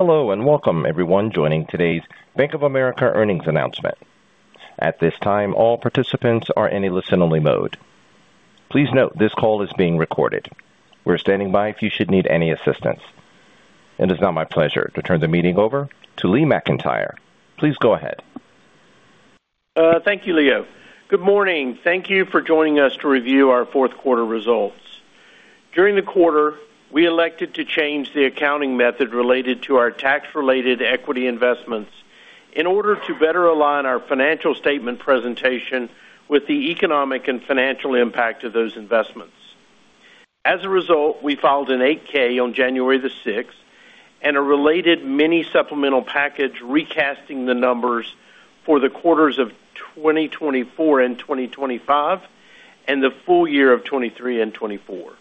Hello and welcome, everyone joining today's Bank of America earnings announcement. At this time, all participants are in a listen-only mode. Please note this call is being recorded. We're standing by if you should need any assistance. It is now my pleasure to turn the meeting over to Lee McEntire. Please go ahead. Thank you, Leo. Good morning. Thank you for joining us to review our Q4 results. During the quarter, we elected to change the accounting method related to our tax-related equity investments in order to better align our financial statement presentation with the economic and financial impact of those investments. As a result, we filed an 8-K on January the 6th and a related mini supplemental package recasting the numbers for the quarters of 2024 and 2025 and the full year of 2023 and 2024.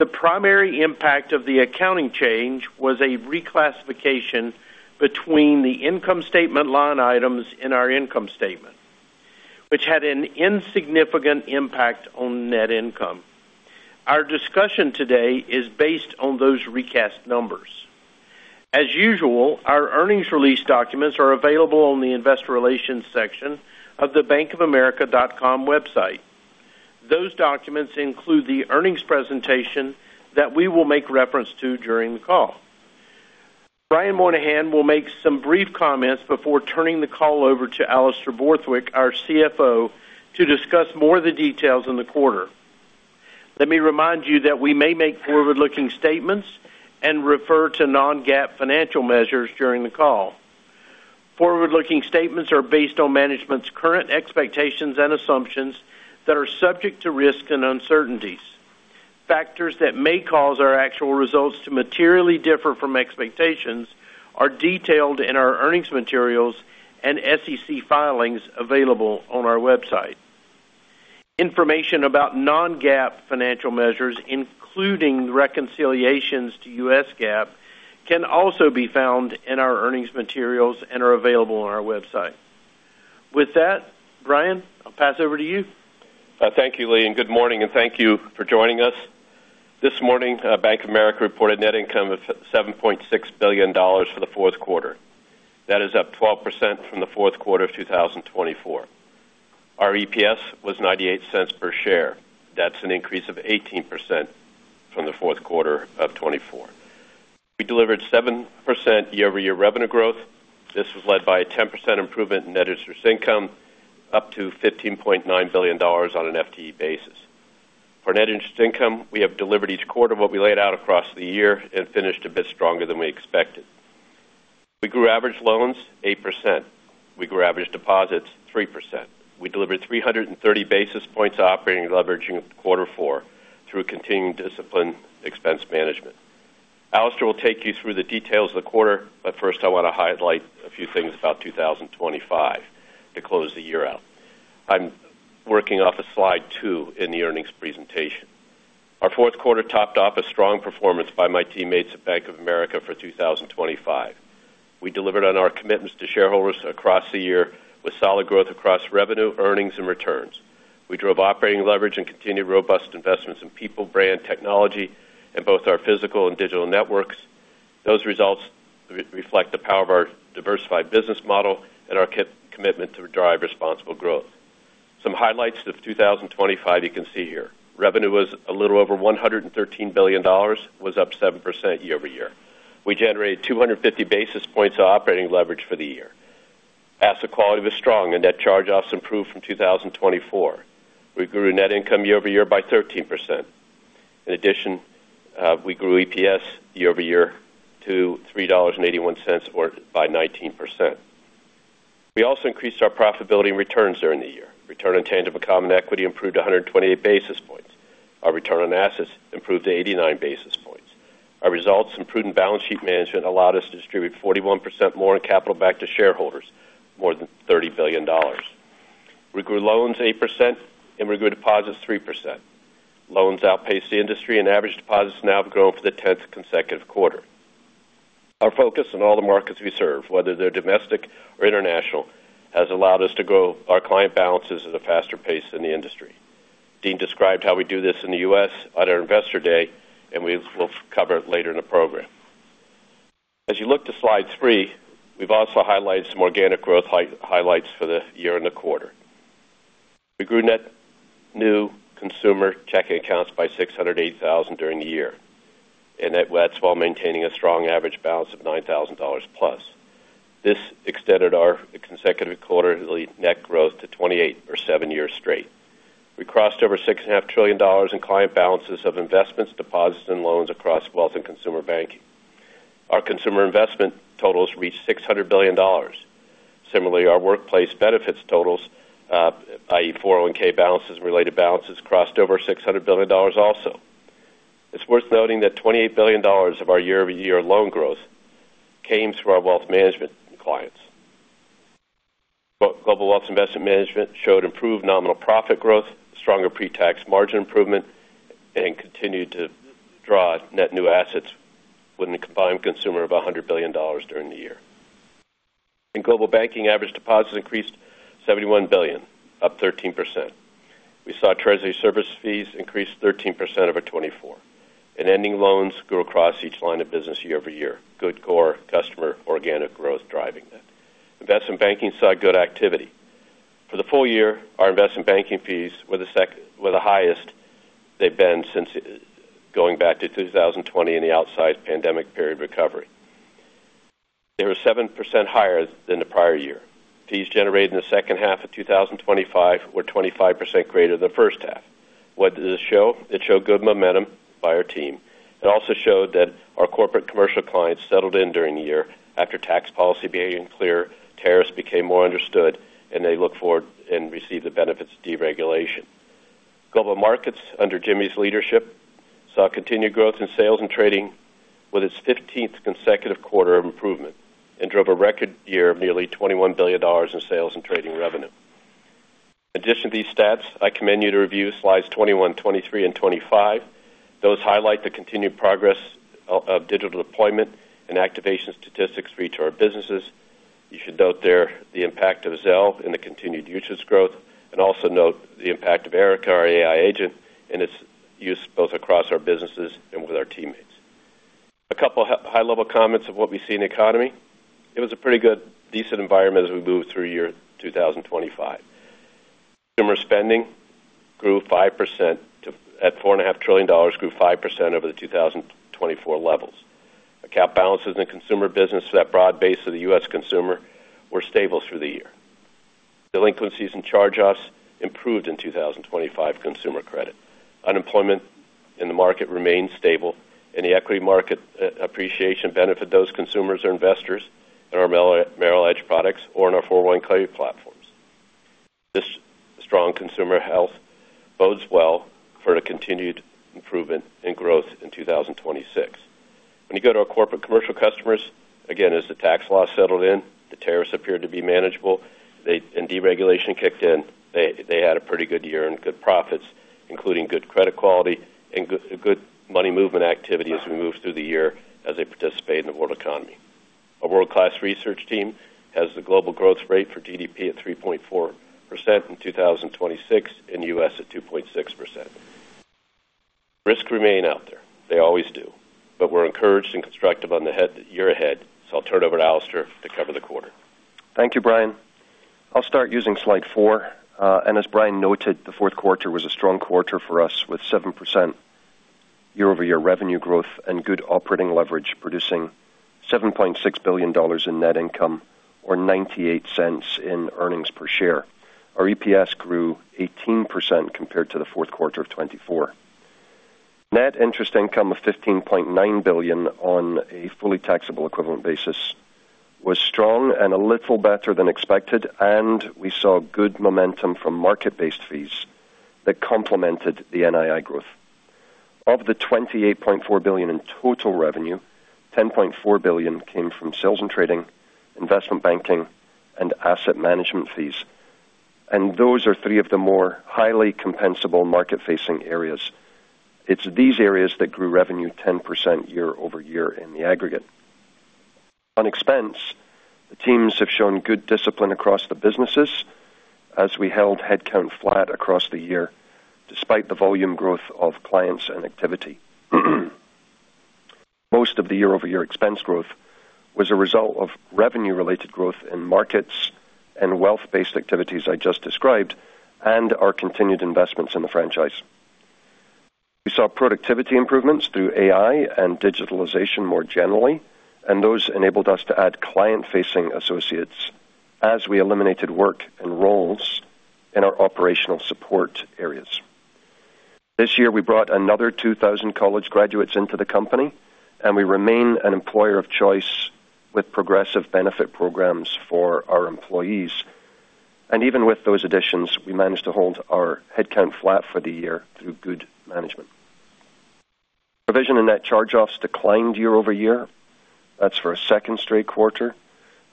The primary impact of the accounting change was a reclassification between the income statement line items in our income statement, which had an insignificant impact on net income. Our discussion today is based on those recast numbers. As usual, our earnings release documents are available on the investor relations section of the bankofamerica.com website. Those documents include the earnings presentation that we will make reference to during the call. Brian Moynihan will make some brief comments before turning the call over to Alastair Borthwick, our CFO, to discuss more of the details in the quarter. Let me remind you that we may make forward-looking statements and refer to non-GAAP financial measures during the call. Forward-looking statements are based on management's current expectations and assumptions that are subject to risk and uncertainties. Factors that may cause our actual results to materially differ from expectations are detailed in our earnings materials and SEC filings available on our website. Information about non-GAAP financial measures, including reconciliations to U.S. GAAP, can also be found in our earnings materials and are available on our website. With that, Brian, I'll pass over to you. Thank you, Lee. Good morning, and thank you for joining us. This morning, Bank of America reported net income of $7.6 billion for the Q4. That is up 12% from the Q4 of 2024. Our EPS was $0.98 per share. That's an increase of 18% from the Q4 of 2024. We delivered 7% year-over- year revenue growth. This was led by a 10% improvement in net interest income, up to $15.9 billion on an FTE basis. For net interest income, we have delivered each quarter what we laid out across the year and finished a bit stronger than we expected. We grew average loans 8%. We grew average deposits 3%. We delivered 330 basis points of operating leverage in quarter four through continuing disciplined expense management. Alastair will take you through the details of the quarter, but first, I want to highlight a few things about 2025 to close the year out. I'm working off of slide two in the earnings presentation. Our Q4 topped off a strong performance by my teammates at Bank of America for 2025. We delivered on our commitments to shareholders across the year with solid growth across revenue, earnings, and returns. We drove operating leverage and continued robust investments in people, brand, technology, and both our physical and digital networks. Those results reflect the power of our diversified business model and our commitment to drive responsible growth. Some highlights of 2025 you can see here. Revenue was a little over $113 billion, was up 7% year-over-year. We generated 250 basis points of operating leverage for the year. Asset quality was strong, and net charge-offs improved from 2024. We grew net income year-over-year by 13%. In addition, we grew EPS year-over-year to $3.81 or by 19%. We also increased our profitability and returns during the year. Return on tangible common equity improved to 128 basis points. Our return on assets improved to 89 basis points. Our results in prudent balance sheet management allowed us to distribute 41% more in capital back to shareholders, more than $30 billion. We grew loans 8% and we grew deposits 3%. Loans outpaced the industry, and average deposits now have grown for the 10th consecutive quarter. Our focus on all the markets we serve, whether they're domestic or international, has allowed us to grow our client balances at a faster pace than the industry. Dean described how we do this in the U.S. on our investor day, and we will cover it later in the program. As you look to slide three, we've also highlighted some organic growth highlights for the year and the quarter. We grew net new consumer checking accounts by 680,000 during the year and net adds while maintaining a strong average balance of $9,000 plus. This extended our consecutive quarterly net growth to 28 quarters or seven years straight. We crossed over $6.5 trillion in client balances of investments, deposits, and loans across wealth and consumer banking. Our consumer investment totals reached $600 billion. Similarly, our workplace benefits totals, i.e., 401(k) balances and related balances, crossed over $600 billion also. It's worth noting that $28 billion of our year-over-year loan growth came through our Wealth Management clients. Global Wealth & Investment Management showed improved nominal profit growth, stronger pre-tax margin improvement, and continued to draw net new assets with a combined consumer of $100 billion during the year. In Global Banking, average deposits increased $71 billion, up 13%. We saw treasury service fees increase 13% over 2024, and ending loans grew across each line of business year-over-year. Good core customer organic growth driving that. Investment banking saw good activity. For the full year, our investment banking fees were the highest they've been since going back to 2020 and the outside pandemic period recovery. They were 7% higher than the prior year. Fees generated in the second half of 2025 were 25% greater than the first half. What did this show? It showed good momentum by our team. It also showed that our corporate commercial clients settled in during the year after tax policy became clear, tariffs became more understood, and they look forward and receive the benefits of deregulation. Global Markets under Jimmy's leadership saw continued growth in sales and trading with its 15th consecutive quarter of improvement and drove a record year of nearly $21 billion in sales and trading revenue. In addition to these stats, I commend you to review slides 21, 23, and 25. Those highlight the continued progress of digital deployment and activation statistics for each of our businesses. You should note there the impact of Zelle in the continued usage growth and also note the impact of Erica, our AI agent, and its use both across our businesses and with our teammates. A couple of high-level comments of what we see in the economy. It was a pretty good, decent environment as we move through year 2025. Consumer spending grew 5% at $4.5 trillion, grew 5% over the 2024 levels. Account balances in consumer business for that broad base of the U.S. consumer were stable through the year. Delinquencies and charge-offs improved in 2025 consumer credit. Unemployment in the market remained stable, and the equity market appreciation benefited those consumers or investors in our Merrill Edge products or in our 401(k) platforms. This strong consumer health bodes well for a continued improvement in growth in 2026. When you go to our corporate commercial customers, again, as the tax law settled in, the tariffs appeared to be manageable, and deregulation kicked in, they had a pretty good year and good profits, including good credit quality and good money movement activity as we moved through the year as they participate in the world economy. Our world-class research team has the global growth rate for GDP at 3.4% in 2026 and U.S. at 2.6%. Risks remain out there. They always do. But we're encouraged and constructive on the year ahead. So I'll turn it over to Alastair to cover the quarter. Thank you, Brian. I'll start using slide four. As Brian noted, the Q4 was a strong quarter for us with 7% year-over-year revenue growth and good operating leverage, producing $7.6 billion in net income or $0.98 in earnings per share. Our EPS grew 18% compared to the Q4 of 2024. Net interest income of $15.9 billion on a fully taxable equivalent basis was strong and a little better than expected, and we saw good momentum from market-based fees that complemented the NII growth. Of the $28.4 billion in total revenue, $10.4 billion came from sales and trading, investment banking, and asset management fees. Those are three of the more highly compensable market-facing areas. It's these areas that grew revenue 10% year-over-year in the aggregate. On expense, the teams have shown good discipline across the businesses as we held headcount flat across the year despite the volume growth of clients and activity. Most of the year-over-year expense growth was a result of revenue-related growth in markets and wealth-based activities I just described and our continued investments in the franchise. We saw productivity improvements through AI and digitalization more generally, and those enabled us to add client-facing associates as we eliminated work and roles in our operational support areas. This year, we brought another 2,000 college graduates into the company, and we remain an employer of choice with progressive benefit programs for our employees, and even with those additions, we managed to hold our headcount flat for the year through good management. Provision and net charge-offs declined year-over-year. That's for a second straight quarter,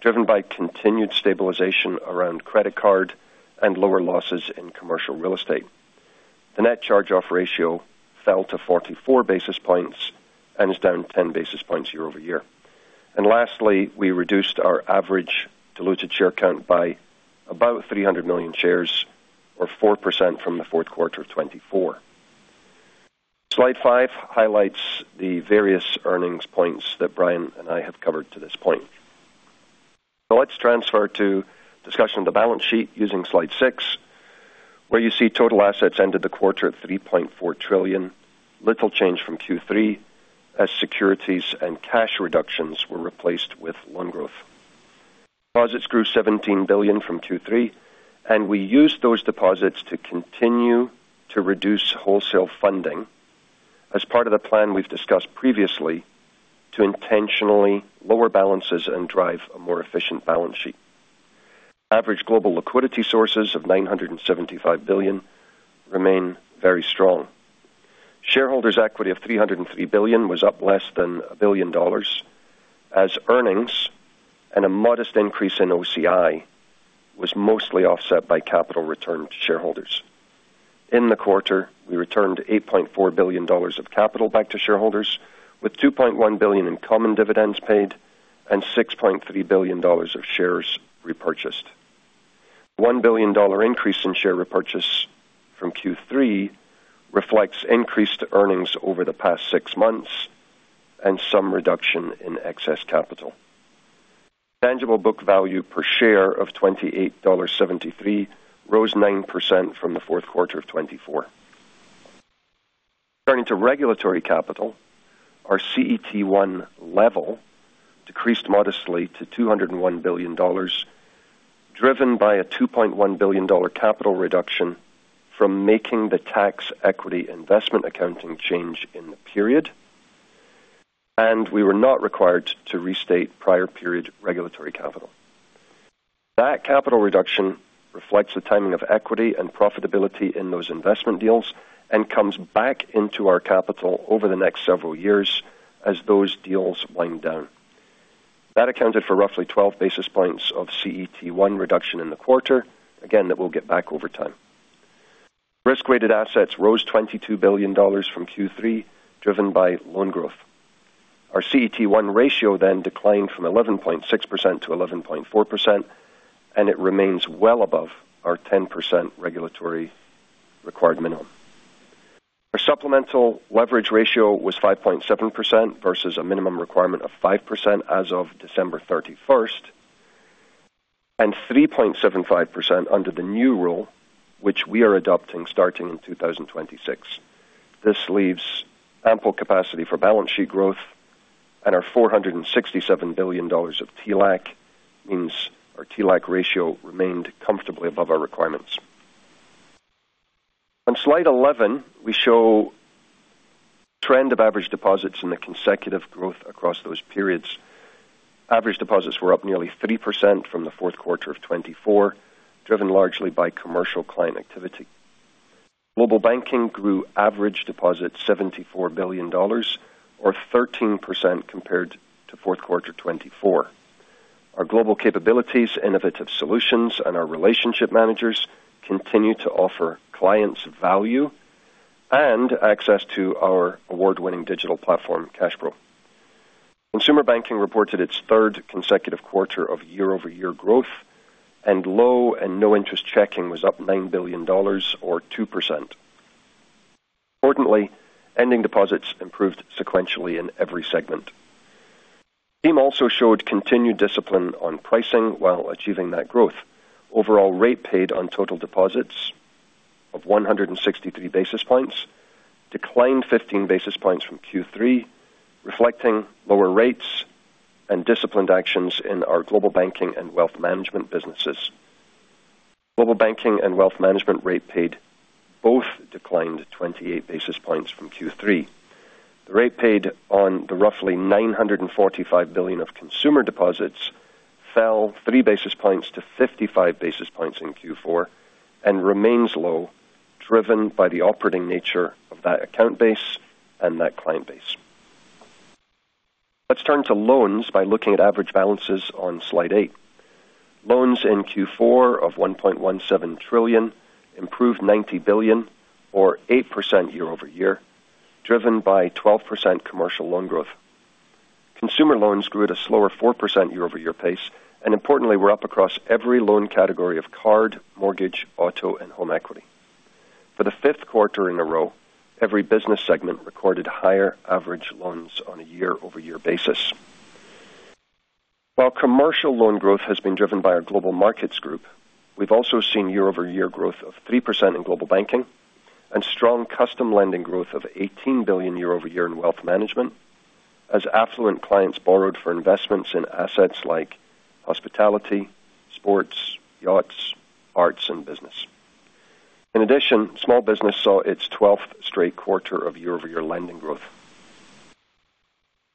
driven by continued stabilization around credit card and lower losses in commercial real estate. The net charge-off ratio fell to 44 basis points and is down 10 basis points year-over-year. And lastly, we reduced our average diluted share count by about 300 million shares or 4% from the Q4 of 2024. Slide five highlights the various earnings points that Brian and I have covered to this point. Now let's turn to discussion of the balance sheet using slide six, where you see total assets ended the quarter at $3.4 trillion, little change from Q3 as securities and cash reductions were replaced with loan growth. Deposits grew $17 billion from Q3, and we used those deposits to continue to reduce wholesale funding as part of the plan we've discussed previously to intentionally lower balances and drive a more efficient balance sheet. Average global liquidity sources of $975 billion remain very strong. Shareholders' equity of $303 billion was up less than $1 billion as earnings and a modest increase in OCI was mostly offset by capital returned to shareholders. In the quarter, we returned $8.4 billion of capital back to shareholders with $2.1 billion in common dividends paid and $6.3 billion of shares repurchased. $1 billion increase in share repurchase from Q3 reflects increased earnings over the past six months and some reduction in excess capital. Tangible book value per share of $28.73 rose 9% from the Q4 of 2024. Turning to regulatory capital, our CET1 level decreased modestly to $201 billion, driven by a $2.1 billion capital reduction from making the tax equity investment accounting change in the period, and we were not required to restate prior period regulatory capital. That capital reduction reflects the timing of equity and profitability in those investment deals and comes back into our capital over the next several years as those deals wind down. That accounted for roughly 12 basis points of CET1 reduction in the quarter. Again, that will get back over time. Risk-weighted assets rose $22 billion from Q3, driven by loan growth. Our CET1 ratio then declined from 11.6% to 11.4%, and it remains well above our 10% regulatory required minimum. Our supplemental leverage ratio was 5.7% versus a minimum requirement of 5% as of December 31st and 3.75% under the new rule, which we are adopting starting in 2026. This leaves ample capacity for balance sheet growth, and our $467 billion of TLAC means our TLAC ratio remained comfortably above our requirements. On slide 11, we show trend of average deposits in the consecutive growth across those periods. Average deposits were up nearly 3% from the Q4 of 2024, driven largely by commercial client activity. Global Banking grew average deposits $74 billion or 13% compared to Q4 2024. Our global capabilities, innovative solutions, and our relationship managers continue to offer clients value and access to our award-winning digital platform, CashPro. Consumer Banking reported its third consecutive quarter of year-over-year growth, and low and no interest checking was up $9 billion or 2%. Importantly, ending deposits improved sequentially in every segment. The team also showed continued discipline on pricing while achieving that growth. Overall rate paid on total deposits of 163 basis points declined 15 basis points from Q3, reflecting lower rates and disciplined actions in our Global Banking and Wealth Management businesses. Global Banking and Wealth Management rate paid both declined 28 basis points from Q3. The rate paid on the roughly $945 billion of consumer deposits fell 3 basis points to 55 basis points in Q4 and remains low, driven by the operating nature of that account base and that client base. Let's turn to loans by looking at average balances on slide eight. Loans in Q4 of $1.17 trillion improved $90 billion or 8% year-over-year, driven by 12% commercial loan growth. Consumer loans grew at a slower 4% year- over-year pace and, importantly, were up across every loan category of card, mortgage, auto, and home equity. For the fifth quarter in a row, every business segment recorded higher average loans on a year-over-year basis. While commercial loan growth has been driven by our global markets group, we've also seen year-over-year growth of 3% in global banking and strong C&I lending growth of $18 billion year-over-year in wealth management as affluent clients borrowed for investments in assets like hospitality, sports, yachts, arts, and business. In addition, small business saw its 12th straight quarter of year-over-year lending growth.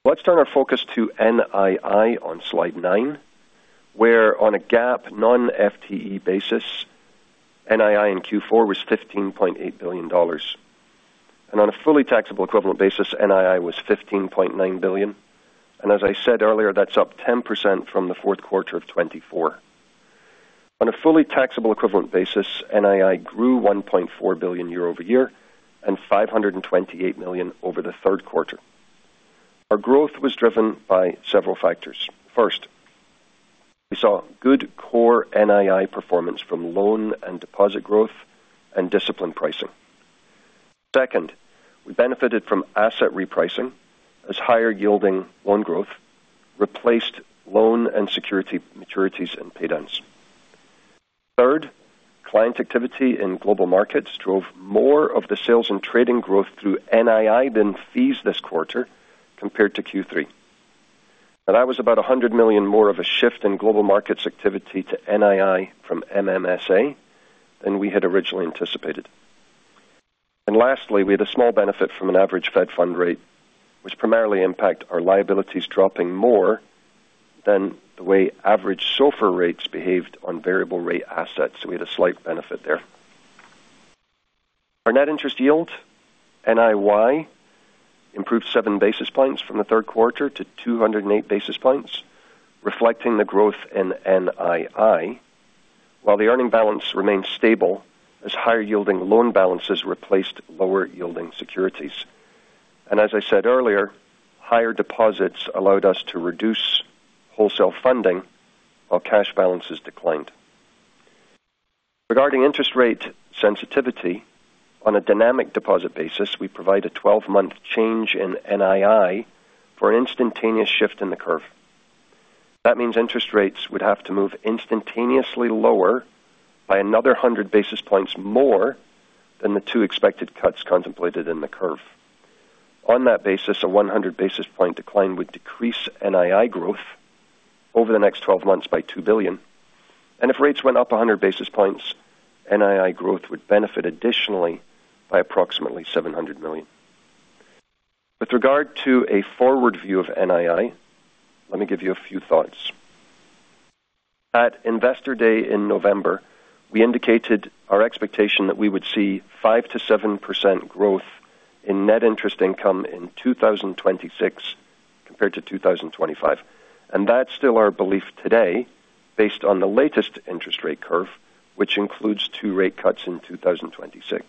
Let's turn our focus to NII on slide nine, where on a GAAP non-FTE basis, NII in Q4 was $15.8 billion. And on a fully taxable equivalent basis, NII was $15.9 billion. And as I said earlier, that's up 10% from the Q4 of 2024. On a fully taxable equivalent basis, NII grew $1.4 billion year-over-year and $528 million over the Q3. Our growth was driven by several factors. First, we saw good core NII performance from loan and deposit growth and disciplined pricing. Second, we benefited from asset repricing as higher-yielding loan growth replaced loan and security maturities and paydowns. Third, client activity in global markets drove more of the sales and trading growth through NII than fees this quarter compared to Q3. And that was about $100 million more of a shift in global markets activity to NII from MMSA than we had originally anticipated. And lastly, we had a small benefit from an average Fed fund rate which primarily impacted our liabilities dropping more than the way average SOFR rates behaved on variable-rate assets. So we had a slight benefit there. Our net interest yield, NIY, improved seven basis points from the Q3 to 208 basis points, reflecting the growth in NII, while the earning balance remained stable as higher-yielding loan balances replaced lower-yielding securities. And as I said earlier, higher deposits allowed us to reduce wholesale funding while cash balances declined. Regarding interest rate sensitivity, on a dynamic deposit basis, we provide a 12-month change in NII for an instantaneous shift in the curve. That means interest rates would have to move instantaneously lower by another 100 basis points more than the two expected cuts contemplated in the curve. On that basis, a 100 basis point decline would decrease NII growth over the next 12 months by $2 billion. And if rates went up 100 basis points, NII growth would benefit additionally by approximately $700 million. With regard to a forward view of NII, let me give you a few thoughts. At Investor Day in November, we indicated our expectation that we would see 5%-7% growth in net interest income in 2026 compared to 2025. And that's still our belief today based on the latest interest rate curve, which includes two rate cuts in 2026.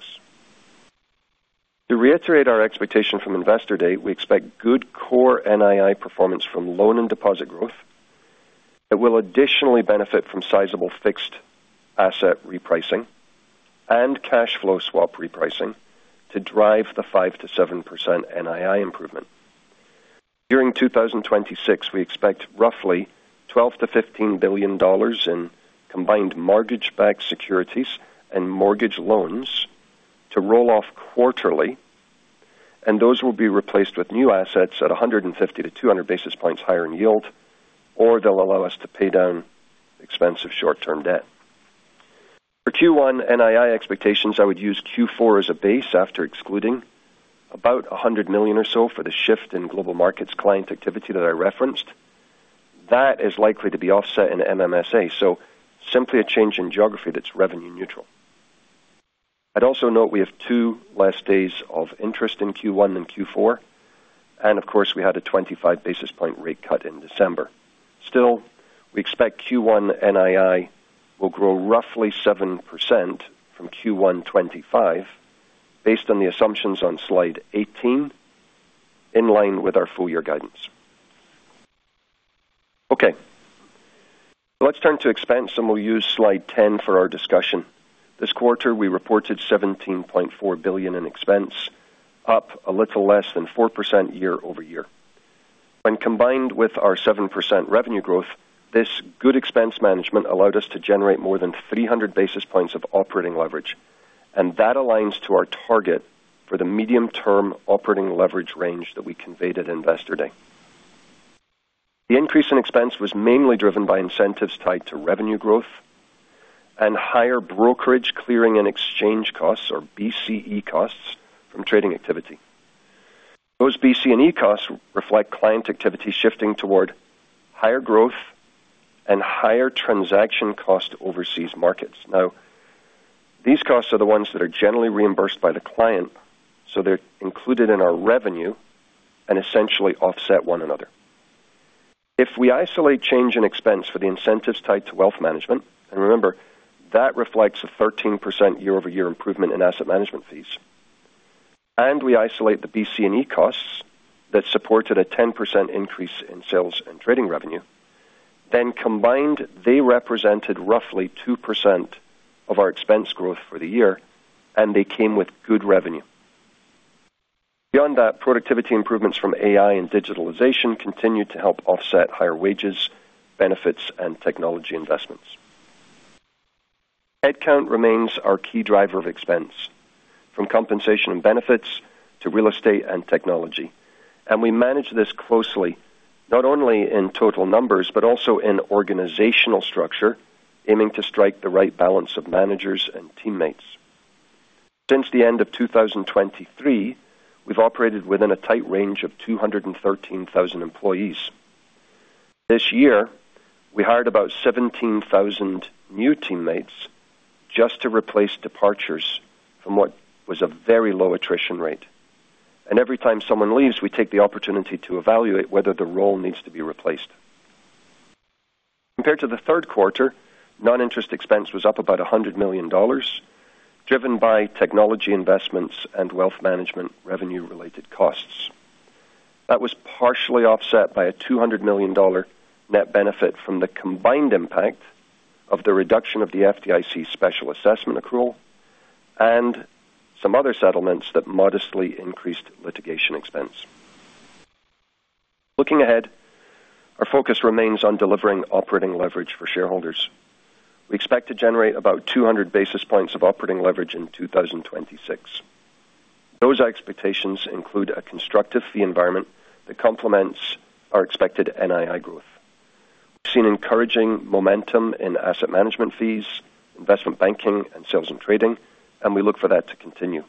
To reiterate our expectation from Investor Day, we expect good core NII performance from loan and deposit growth that will additionally benefit from sizable fixed asset repricing and cash flow swap repricing to drive the 5%-7% NII improvement. During 2026, we expect roughly $12-$15 billion in combined mortgage-backed securities and mortgage loans to roll off quarterly, and those will be replaced with new assets at 150-200 basis points higher in yield, or they'll allow us to pay down expensive short-term debt. For Q1 NII expectations, I would use Q4 as a base after excluding about $100 million or so for the shift in global markets client activity that I referenced. That is likely to be offset in MMSA, so simply a change in geography that's revenue-neutral. I'd also note we have two last days of interest in Q1 and Q4, and of course, we had a 25 basis point rate cut in December. Still, we expect Q1 NII will grow roughly 7% from Q1 2025 based on the assumptions on slide 18, in line with our full-year guidance. Okay. Let's turn to expense, and we'll use slide 10 for our discussion. This quarter, we reported $17.4 billion in expense, up a little less than 4% year-over-year. When combined with our 7% revenue growth, this good expense management allowed us to generate more than 300 basis points of operating leverage, and that aligns to our target for the medium-term operating leverage range that we conveyed at Investor Day. The increase in expense was mainly driven by incentives tied to revenue growth and higher brokerage clearing and exchange costs, or BCE costs, from trading activity. Those BCE costs reflect client activity shifting toward higher growth and higher transaction cost overseas markets. Now, these costs are the ones that are generally reimbursed by the client, so they're included in our revenue and essentially offset one another. If we isolate change in expense for the incentives tied to wealth management, and remember, that reflects a 13% year-over-year improvement in asset management fees, and we isolate the BCE costs that supported a 10% increase in sales and trading revenue, then combined, they represented roughly 2% of our expense growth for the year, and they came with good revenue. Beyond that, productivity improvements from AI and digitalization continued to help offset higher wages, benefits, and technology investments. Headcount remains our key driver of expense, from compensation and benefits to real estate and technology, and we manage this closely, not only in total numbers but also in organizational structure, aiming to strike the right balance of managers and teammates. Since the end of 2023, we've operated within a tight range of 213,000 employees. This year, we hired about 17,000 new teammates just to replace departures from what was a very low attrition rate. And every time someone leaves, we take the opportunity to evaluate whether the role needs to be replaced. Compared to the Q3, non-interest expense was up about $100 million, driven by technology investments and wealth management revenue-related costs. That was partially offset by a $200 million net benefit from the combined impact of the reduction of the FDIC special assessment accrual and some other settlements that modestly increased litigation expense. Looking ahead, our focus remains on delivering operating leverage for shareholders. We expect to generate about 200 basis points of operating leverage in 2026. Those expectations include a constructive fee environment that complements our expected NII growth. We've seen encouraging momentum in asset management fees, investment banking, and sales and trading, and we look for that to continue.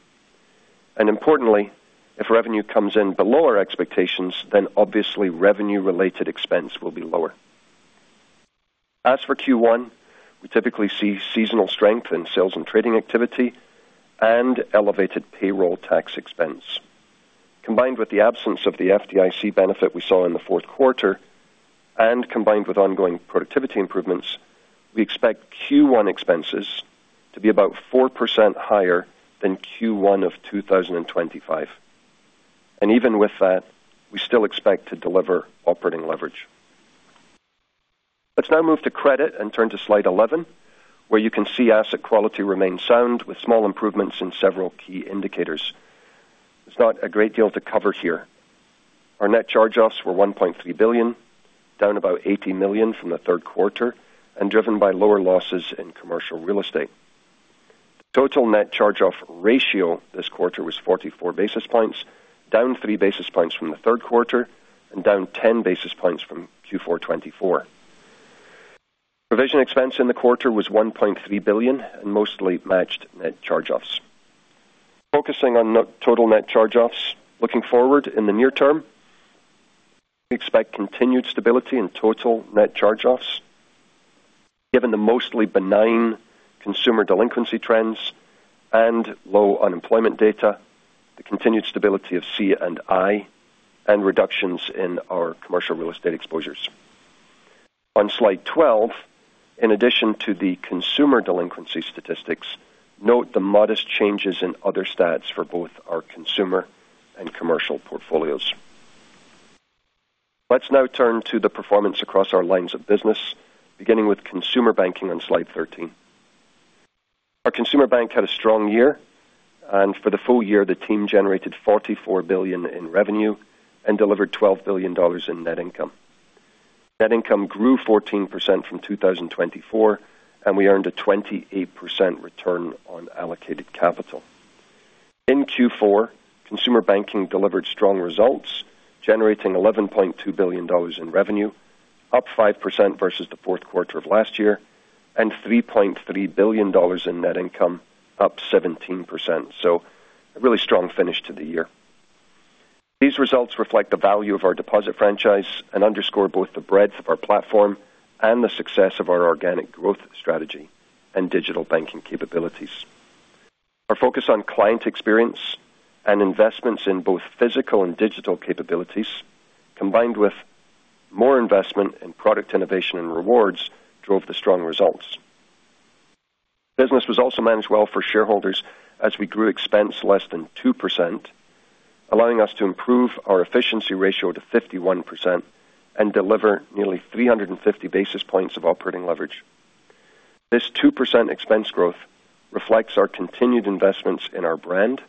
And importantly, if revenue comes in below our expectations, then obviously revenue-related expense will be lower. As for Q1, we typically see seasonal strength in sales and trading activity and elevated payroll tax expense. Combined with the absence of the FDIC benefit we saw in the Q4 and combined with ongoing productivity improvements, we expect Q1 expenses to be about 4% higher than Q1 of 2025. And even with that, we still expect to deliver operating leverage. Let's now move to credit and turn to slide 11, where you can see asset quality remains sound with small improvements in several key indicators. There's not a great deal to cover here. Our net charge-offs were $1.3 billion, down about $80 million from the Q3, and driven by lower losses in commercial real estate. Total net charge-off ratio this quarter was 44 basis points, down 3 basis points from the third quarter, and down 10 basis points from Q4 2024. Provision expense in the quarter was $1.3 billion and mostly matched net charge-offs. Focusing on total net charge-offs, looking forward in the near term, we expect continued stability in total net charge-offs given the mostly benign consumer delinquency trends and low unemployment data, the continued stability of C &I, and reductions in our commercial real estate exposures. On slide 12, in addition to the consumer delinquency statistics, note the modest changes in other stats for both our consumer and commercial portfolios. Let's now turn to the performance across our lines of business, beginning with Consumer Banking on slide 13. Our consumer bank had a strong year, and for the full year, the team generated $44 billion in revenue and delivered $12 billion in net income. Net income grew 14% from 2024, and we earned a 28% return on allocated capital. In Q4, Consumer Banking delivered strong results, generating $11.2 billion in revenue, up 5% versus the Q4 of last year, and $3.3 billion in net income, up 17%. So a really strong finish to the year. These results reflect the value of our deposit franchise and underscore both the breadth of our platform and the success of our organic growth strategy and Digital Banking capabilities. Our focus on client experience and investments in both physical and digital capabilities, combined with more investment in product innovation and rewards, drove the strong results. Business was also managed well for shareholders as we grew expense less than 2%, allowing us to improve our efficiency ratio to 51% and deliver nearly 350 basis points of operating leverage. This 2% expense growth reflects our continued investments in our brand,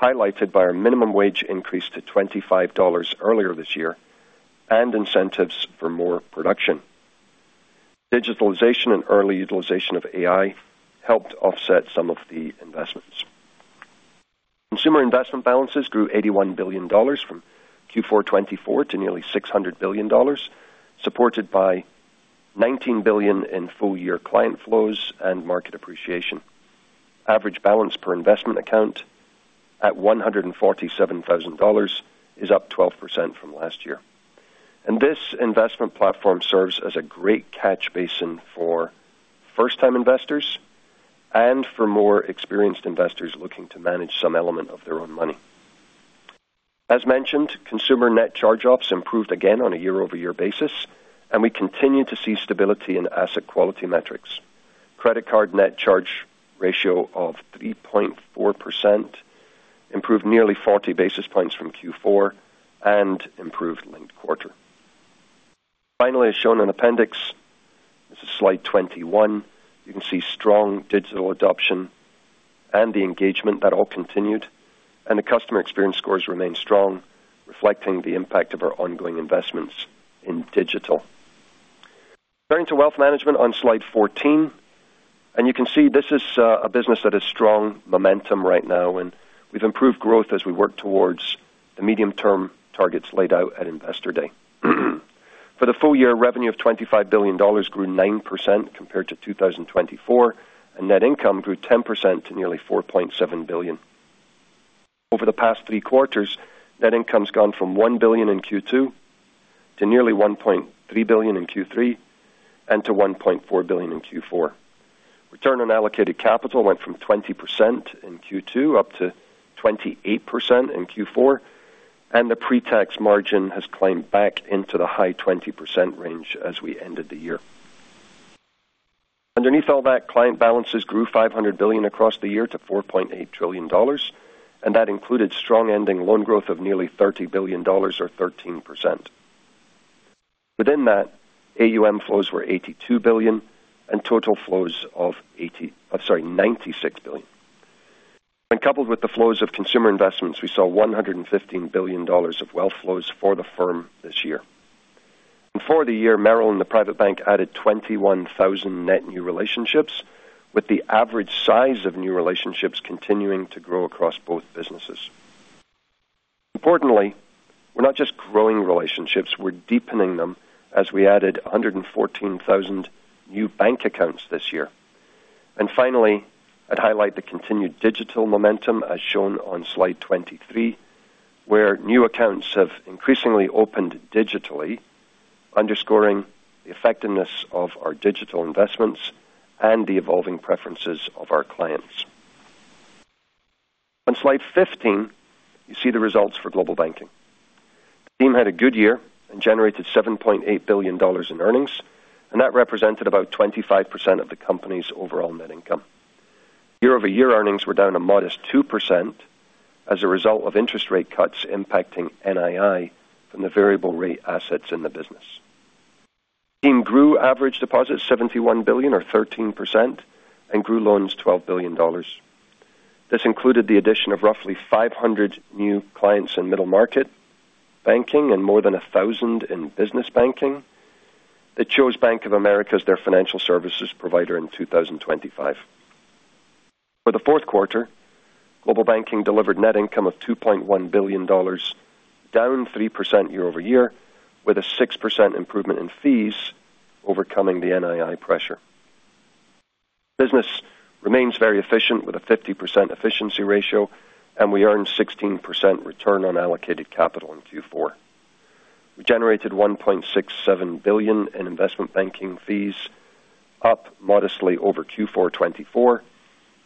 highlighted by our minimum wage increase to $25 earlier this year and incentives for more production. Digitalization and early utilization of AI helped offset some of the investments. Consumer investment balances grew $81 billion from Q4 2024 to nearly $600 billion, supported by $19 billion in full-year client flows and market appreciation. Average balance per investment account at $147,000 is up 12% from last year. This investment platform serves as a great catch basin for first-time investors and for more experienced investors looking to manage some element of their own money. As mentioned, consumer net charge-offs improved again on a year-over-year basis, and we continue to see stability in asset quality metrics. Credit card net charge ratio of 3.4% improved nearly 40 basis points from Q4 and improved linked quarter. Finally, as shown in appendix, this is slide 21. You can see strong digital adoption and the engagement that all continued, and the customer experience scores remain strong, reflecting the impact of our ongoing investments in digital. Turning to wealth management on slide 14. You can see this is a business that has strong momentum right now, and we've improved growth as we work towards the medium-term targets laid out at Investor Day. For the full year, revenue of $25 billion grew 9% compared to 2024, and net income grew 10% to nearly $4.7 billion. Over the past three quarters, net income's gone from $1 billion in Q2 to nearly $1.3 billion in Q3 and to $1.4 billion in Q4. Return on allocated capital went from 20% in Q2 up to 28% in Q4, and the pre-tax margin has climbed back into the high 20% range as we ended the year. Underneath all that, client balances grew $500 billion across the year to $4.8 trillion, and that included strong-ending loan growth of nearly $30 billion, or 13%. Within that, AUM flows were $82 billion and total flows of $96 billion. When coupled with the flows of consumer investments, we saw $115 billion of wealth flows for the firm this year. For the year, Merrill and the Private Bank added 21,000 net new relationships, with the average size of new relationships continuing to grow across both businesses. Importantly, we're not just growing relationships; we're deepening them as we added 114,000 new bank accounts this year. Finally, I'd highlight the continued digital momentum, as shown on slide 23, where new accounts have increasingly opened digitally, underscoring the effectiveness of our digital investments and the evolving preferences of our clients. On slide 15, you see the results for global banking. The team had a good year and generated $7.8 billion in earnings, and that represented about 25% of the company's overall net income. Year-over-year earnings were down a modest 2% as a result of interest rate cuts impacting NII from the variable rate assets in the business. The team grew average deposits $71 billion, or 13%, and grew loans $12 billion. This included the addition of roughly 500 new clients in Middle Market Banking and more than 1,000 in Business Banking that chose Bank of America as their financial services provider in 2025. For the Q4, global banking delivered net income of $2.1 billion, down 3% year-over-year, with a 6% improvement in fees, overcoming the NII pressure. Business remains very efficient with a 50% efficiency ratio, and we earned 16% return on allocated capital in Q4. We generated $1.67 billion in investment banking fees, up modestly over Q4 2024,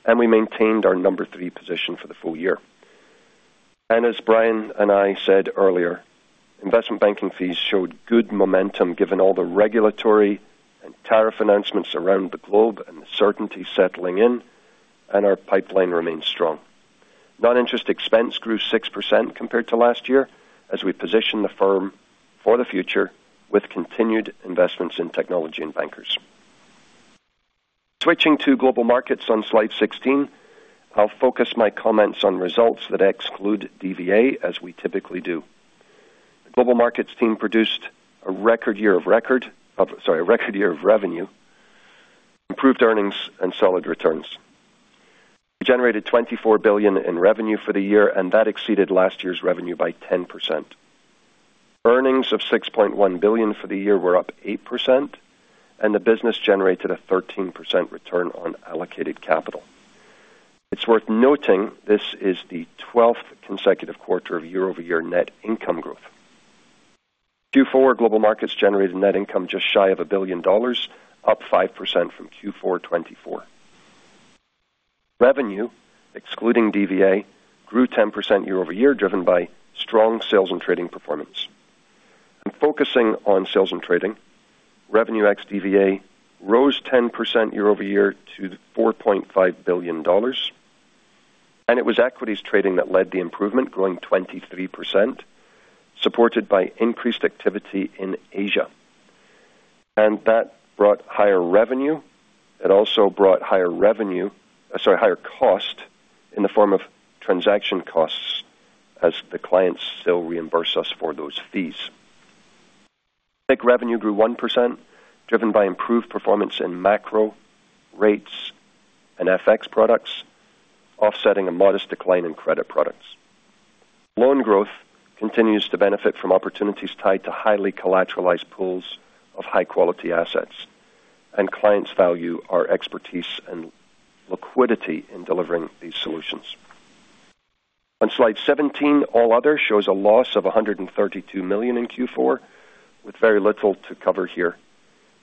and we maintained our number three position for the full year. And as Brian and I said earlier, investment banking fees showed good momentum given all the regulatory and tariff announcements around the globe and the certainty settling in, and our pipeline remains strong. Non-interest expense grew 6% compared to last year as we position the firm for the future with continued investments in technology and bankers. Switching to global markets on slide 16, I'll focus my comments on results that exclude DVA, as we typically do. The global markets team produced a record year of revenue, improved earnings, and solid returns. We generated $24 billion in revenue for the year, and that exceeded last year's revenue by 10%. Earnings of $6.1 billion for the year were up 8%, and the business generated a 13% return on allocated capital. It's worth noting this is the 12th consecutive quarter of year-over-year net income growth. Q4, global markets generated net income just shy of $1 billion, up 5% from Q4 2024. Revenue, excluding DVA, grew 10% year-over-year, driven by strong sales and trading performance. Focusing on sales and trading, revenue ex DVA rose 10% year-over-year to $4.5 billion, and it was equities trading that led the improvement, growing 23%, supported by increased activity in Asia. That brought higher revenue. It also brought higher revenue, sorry, higher cost in the form of transaction costs as the clients still reimburse us for those fees. Net revenue grew 1%, driven by improved performance in macro rates and FX products, offsetting a modest decline in credit products. Loan growth continues to benefit from opportunities tied to highly collateralized pools of high-quality assets, and clients value our expertise and liquidity in delivering these solutions. On slide 17, All Other shows a loss of $132 million in Q4, with very little to cover here.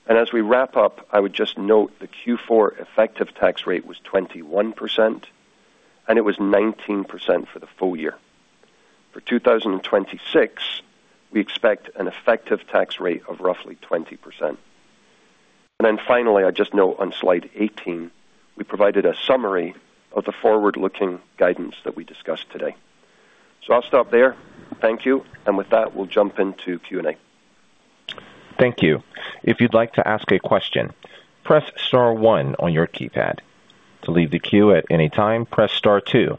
As we wrap up, I would just note the Q4 effective tax rate was 21%, and it was 19% for the full year. For 2026, we expect an effective tax rate of roughly 20%. And then finally, I just note on slide 18, we provided a summary of the forward-looking guidance that we discussed today. So I'll stop there. Thank you. And with that, we'll jump into Q&A. Thank you. If you'd like to ask a question, press Star 1 on your keypad. To leave the queue at any time, press Star 2.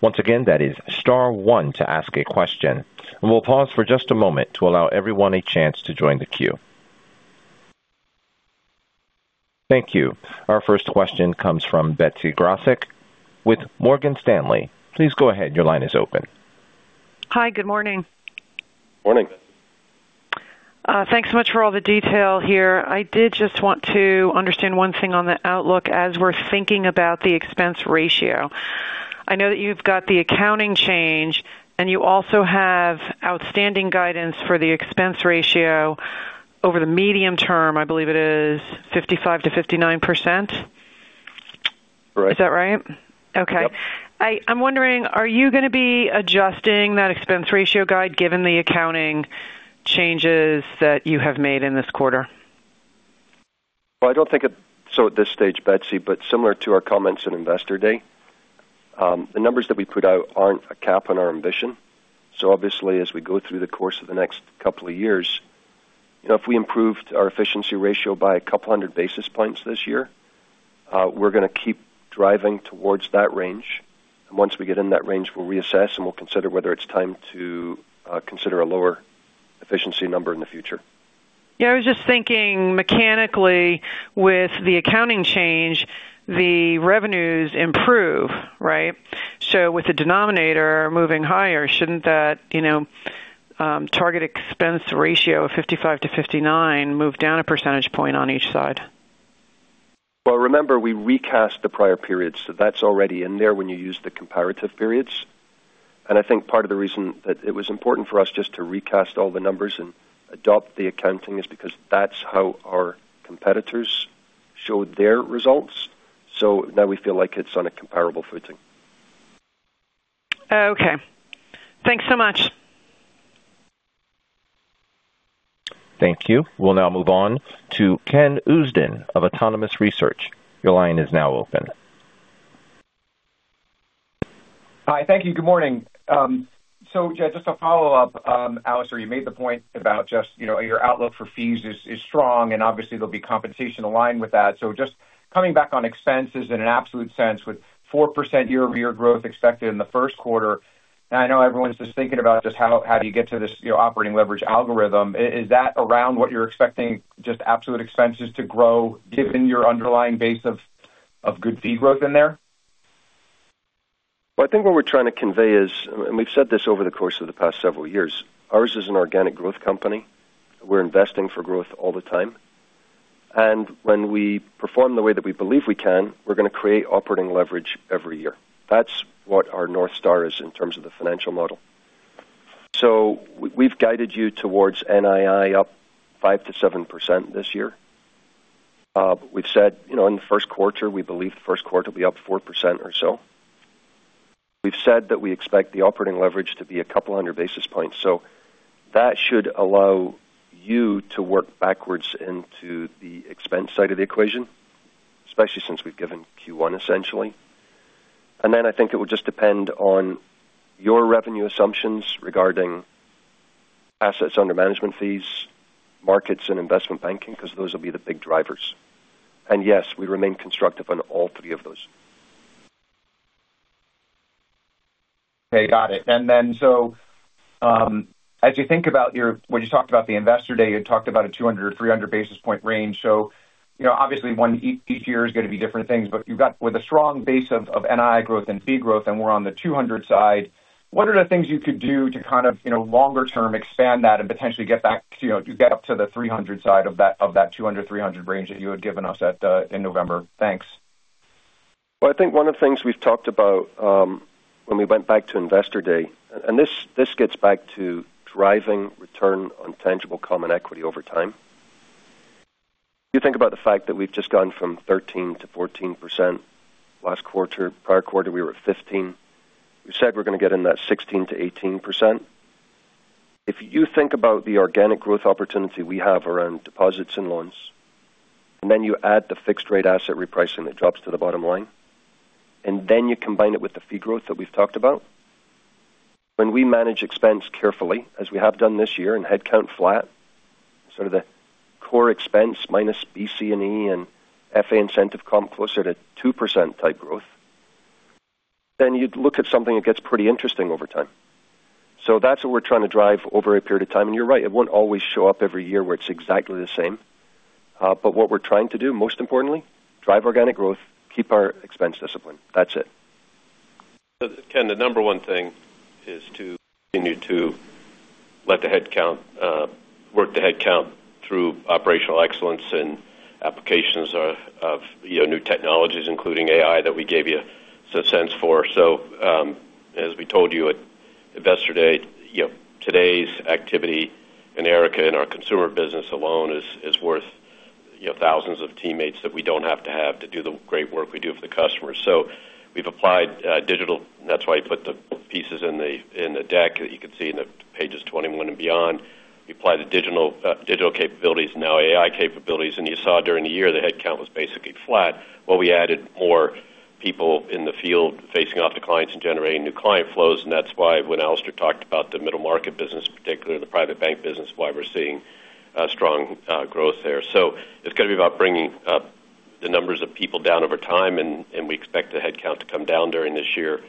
Once again, that is Star 1 to ask a question. And we'll pause for just a moment to allow everyone a chance to join the queue. Thank you. Our first question comes from Betsy Graseck with Morgan Stanley. Please go ahead. Your line is open. Hi. Good morning. Morning. Thanks so much for all the detail here. I did just want to understand one thing on the outlook as we're thinking about the expense ratio. I know that you've got the accounting change, and you also have outstanding guidance for the expense ratio over the medium term, I believe it is 55%-59%. Correct. Is that right? Okay. I'm wondering, are you going to be adjusting that expense ratio guide given the accounting changes that you have made in this quarter? I don't think it's so at this stage, Betsy, but similar to our comments at Investor Day, the numbers that we put out aren't a caps on our ambition. So obviously, as we go through the course of the next couple of years, if we improved our efficiency ratio by a couple hundred basis points this year, we're going to keep driving towards that range. And once we get in that range, we'll reassess and we'll consider whether it's time to consider a lower efficiency number in the future. Yeah. I was just thinking mechanically, with the accounting change, the revenues improve, right? So with the denominator moving higher, shouldn't that target expense ratio of 55%-59% move down a percentage point on each side? Remember, we recast the prior periods, so that's already in there when you use the comparative periods. I think part of the reason that it was important for us just to recast all the numbers and adopt the accounting is because that's how our competitors showed their results. Now we feel like it's on a comparable footing. Okay. Thanks so much. Thank you. We'll now move on to Ken Usdin of Autonomous Research. Your line is now open. Hi. Thank you. Good morning. So just a follow-up, Alastair, you made the point about just your outlook for fees is strong, and obviously, there'll be compensation aligned with that. So just coming back on expenses in an absolute sense with 4% year-over-year growth expected in the Q1. And I know everyone's just thinking about just how do you get to this operating leverage algorithm. Is that around what you're expecting, just absolute expenses to grow given your underlying base of good fee growth in there? Well, I think what we're trying to convey is, and we've said this over the course of the past several years, ours is an organic growth company. We're investing for growth all the time. And when we perform the way that we believe we can, we're going to create operating leverage every year. That's what our North Star is in terms of the financial model. So we've guided you towards NII up 5%-7% this year. We've said in the Q1, we believe the Q1 will be up 4% or so. We've said that we expect the operating leverage to be a couple hundred basis points. So that should allow you to work backwards into the expense side of the equation, especially since we've given Q1 essentially. And then I think it will just depend on your revenue assumptions regarding assets under management fees, markets, and investment banking because those will be the big drivers. And yes, we remain constructive on all three of those. Okay. Got it. And then so as you think about, when you talked about the Investor Day, you talked about a 200-300 basis points range. So obviously, each year is going to be different things, but you've got, with a strong base of NII growth and fee growth, and we're on the 200 side. What are the things you could do to kind of longer term expand that and potentially get back to get up to the 300 side of that 200-300 range that you had given us in November? Thanks. I think one of the things we've talked about when we went back to Investor Day, and this gets back to driving return on tangible common equity over time. You think about the fact that we've just gone from 13%-14% last quarter. Prior quarter, we were at 15%. We said we're going to get in that 16%-18%. If you think about the organic growth opportunity we have around deposits and loans, and then you add the fixed rate asset repricing that drops to the bottom line, and then you combine it with the fee growth that we've talked about, when we manage expense carefully, as we have done this year and headcount flat, sort of the core expense minus BC E and FA incentive comp closer to 2% type growth, then you'd look at something that gets pretty interesting over time. So that's what we're trying to drive over a period of time. And you're right. It won't always show up every year where it's exactly the same. But what we're trying to do, most importantly, drive organic growth, keep our expense discipline. That's it. Ken, the number one thing is to continue to let the headcount work the headcount through operational excellence and applications of new technologies, including AI that we gave you some sense for. So as we told you at Investor Day, today's activity and Erica in our consumer business alone is worth thousands of teammates that we don't have to have to do the great work we do for the customers. So we've applied digital. That's why I put the pieces in the deck that you can see in pages 21 and beyond. We applied the digital capabilities and now AI capabilities. And you saw during the year the headcount was basically flat. Well, we added more people in the field facing off to clients and generating new client flows. And that's why when Alastair talked about the middle market business, particularly the Private Bank business, why we're seeing strong growth there. So it's going to be about bringing the numbers of people down over time, and we expect the headcount to come down during this year.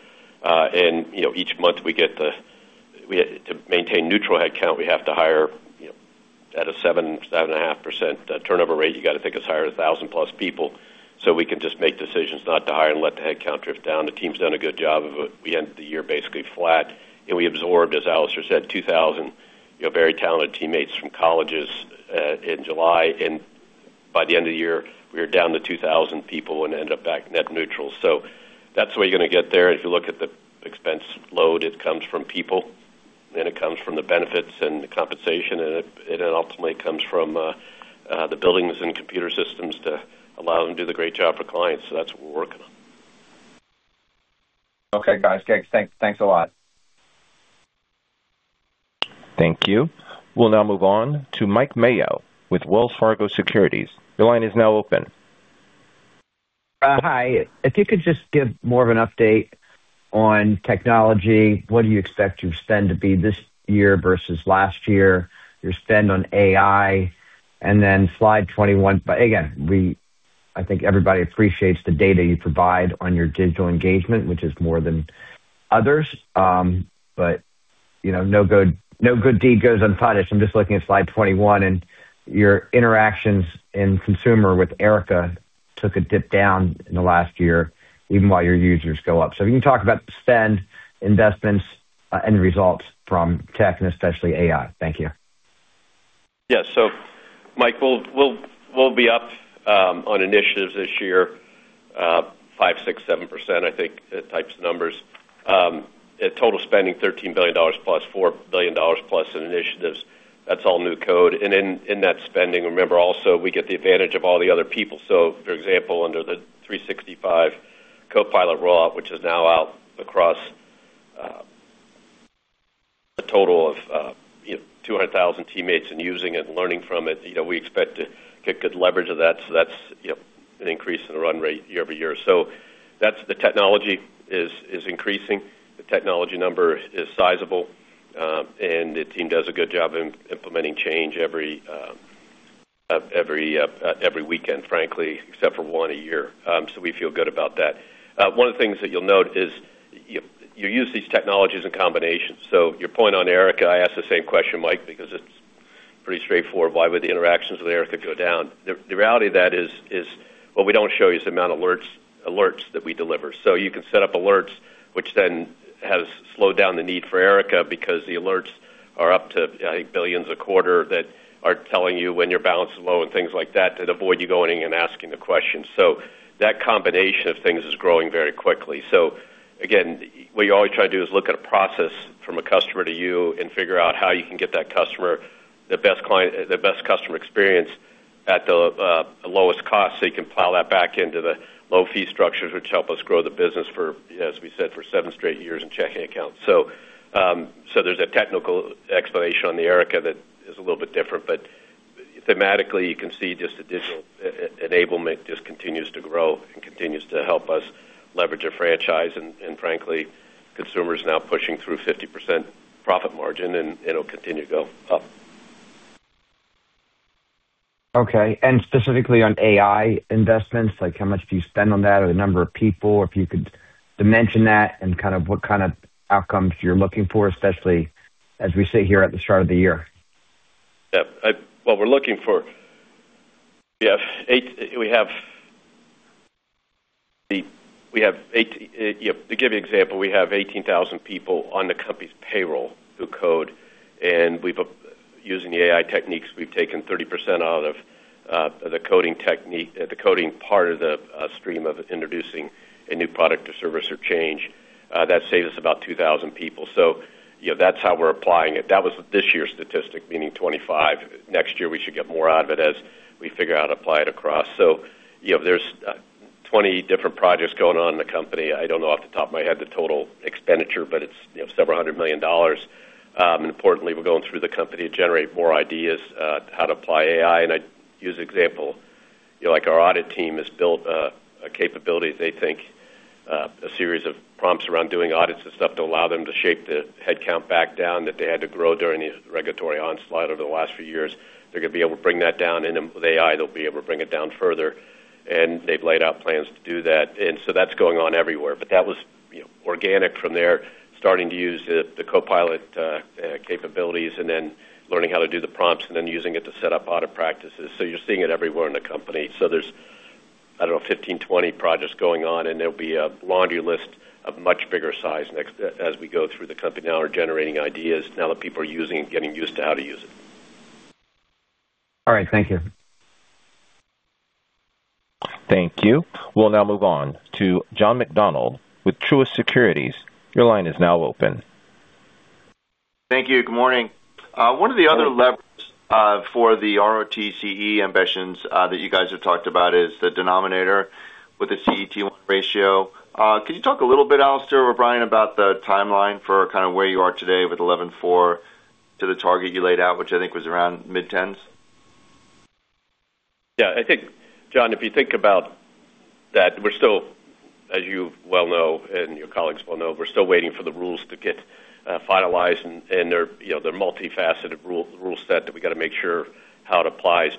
And each month we get to maintain neutral headcount, we have to hire at a 7-7.5% turnover rate. You got to think it's higher than 1,000-plus people so we can just make decisions not to hire and let the headcount drift down. The team's done a good job of it. We ended the year basically flat, and we absorbed, as Alastair said, 2,000 very talented teammates from colleges in July. And by the end of the year, we were down to 2,000 people and ended up back net neutral. So that's the way you're going to get there. If you look at the expense load, it comes from people, and it comes from the benefits and the compensation, and it ultimately comes from the buildings and computer systems to allow them to do the great job for clients. So that's what we're working on. Okay. Got it. Thanks a lot. Thank you. We'll now move on to Mike Mayo with Wells Fargo Securities. Your line is now open. Hi. If you could just give more of an update on technology, what do you expect your spend to be this year versus last year, your spend on AI, and then slide 21? But again, I think everybody appreciates the data you provide on your digital engagement, which is more than others. But no good deed goes unpunished. I'm just looking at slide 21, and your interactions in consumer with Erica took a dip down in the last year, even while your users go up. So if you can talk about spend, investments, and results from tech, and especially AI? Thank you. Yeah. So Mike, we'll be up on initiatives this year, 5%-7%, I think, types of numbers. Total spending $13 billion plus $4 billion plus in initiatives. That's all new code. And in that spending, remember also we get the advantage of all the other people. So for example, under the 365 Copilot rollout, which is now out across a total of 200,000 teammates and using it and learning from it, we expect to get good leverage of that. So that's an increase in the run rate year over year. So the technology is increasing. The technology number is sizable, and the team does a good job of implementing change every weekend, frankly, except for one a year. So we feel good about that. One of the things that you'll note is you use these technologies in combination. So your point on Erica, I asked the same question, Mike, because it's pretty straightforward. Why would the interactions with Erica go down? The reality of that is what we don't show you is the amount of alerts that we deliver. So you can set up alerts, which then has slowed down the need for Erica because the alerts are up to, I think, billions a quarter that are telling you when your balance is low and things like that to avoid you going and asking the question. So that combination of things is growing very quickly. So again, what you always try to do is look at a process from a customer to you and figure out how you can get that customer the best customer experience at the lowest cost so you can plow that back into the low fee structures, which help us grow the business for, as we said, for seven straight years and checking accounts. So there's a technical explanation on the Erica that is a little bit different. But thematically, you can see just the digital enablement just continues to grow and continues to help us leverage a franchise. And frankly, consumers are now pushing through 50% profit margin, and it'll continue to go up. Okay. And specifically on AI investments, how much do you spend on that or the number of people, if you could dimension that and kind of what kind of outcomes you're looking for, especially as we sit here at the start of the year? Yeah. Well, we're looking for. We have to give you an example. We have 18,000 people on the company's payroll through code. And using the AI techniques, we've taken 30% out of the coding part of the stream of introducing a new product or service or change. That saves us about 2,000 people. So that's how we're applying it. That was this year's statistic, meaning 25. Next year, we should get more out of it as we figure out how to apply it across. So there's 20 different projects going on in the company. I don't know off the top of my head the total expenditure, but it's $ several hundred million. And importantly, we're going through the company to generate more ideas how to apply AI. And I use an example. Our audit team has built a capability. They think a series of prompts around doing audits and stuff to allow them to shape the headcount back down that they had to grow during the regulatory onslaught over the last few years. They're going to be able to bring that down. And with AI, they'll be able to bring it down further. And they've laid out plans to do that. And so that's going on everywhere. But that was organic from there, starting to use the Copilot capabilities and then learning how to do the prompts and then using it to set up audit practices. So you're seeing it everywhere in the company. So there's, I don't know, 15, 20 projects going on, and there'll be a laundry list of much bigger size as we go through the company now and are generating ideas now that people are using and getting used to how to use it. All right. Thank you. Thank you. We'll now move on to John McDonald with Truist Securities. Your line is now open. Thank you. Good morning. One of the other levers for the ROTCE ambitions that you guys have talked about is the denominator with the CET1 ratio. Could you talk a little bit, Alastair or Brian, about the timeline for kind of where you are today with 11.4 to the target you laid out, which I think was around mid-10s? Yeah. I think, John, if you think about that, we're still, as you well know and your colleagues well know, we're still waiting for the rules to get finalized. They're a multifaceted rule set that we got to make sure how it applies.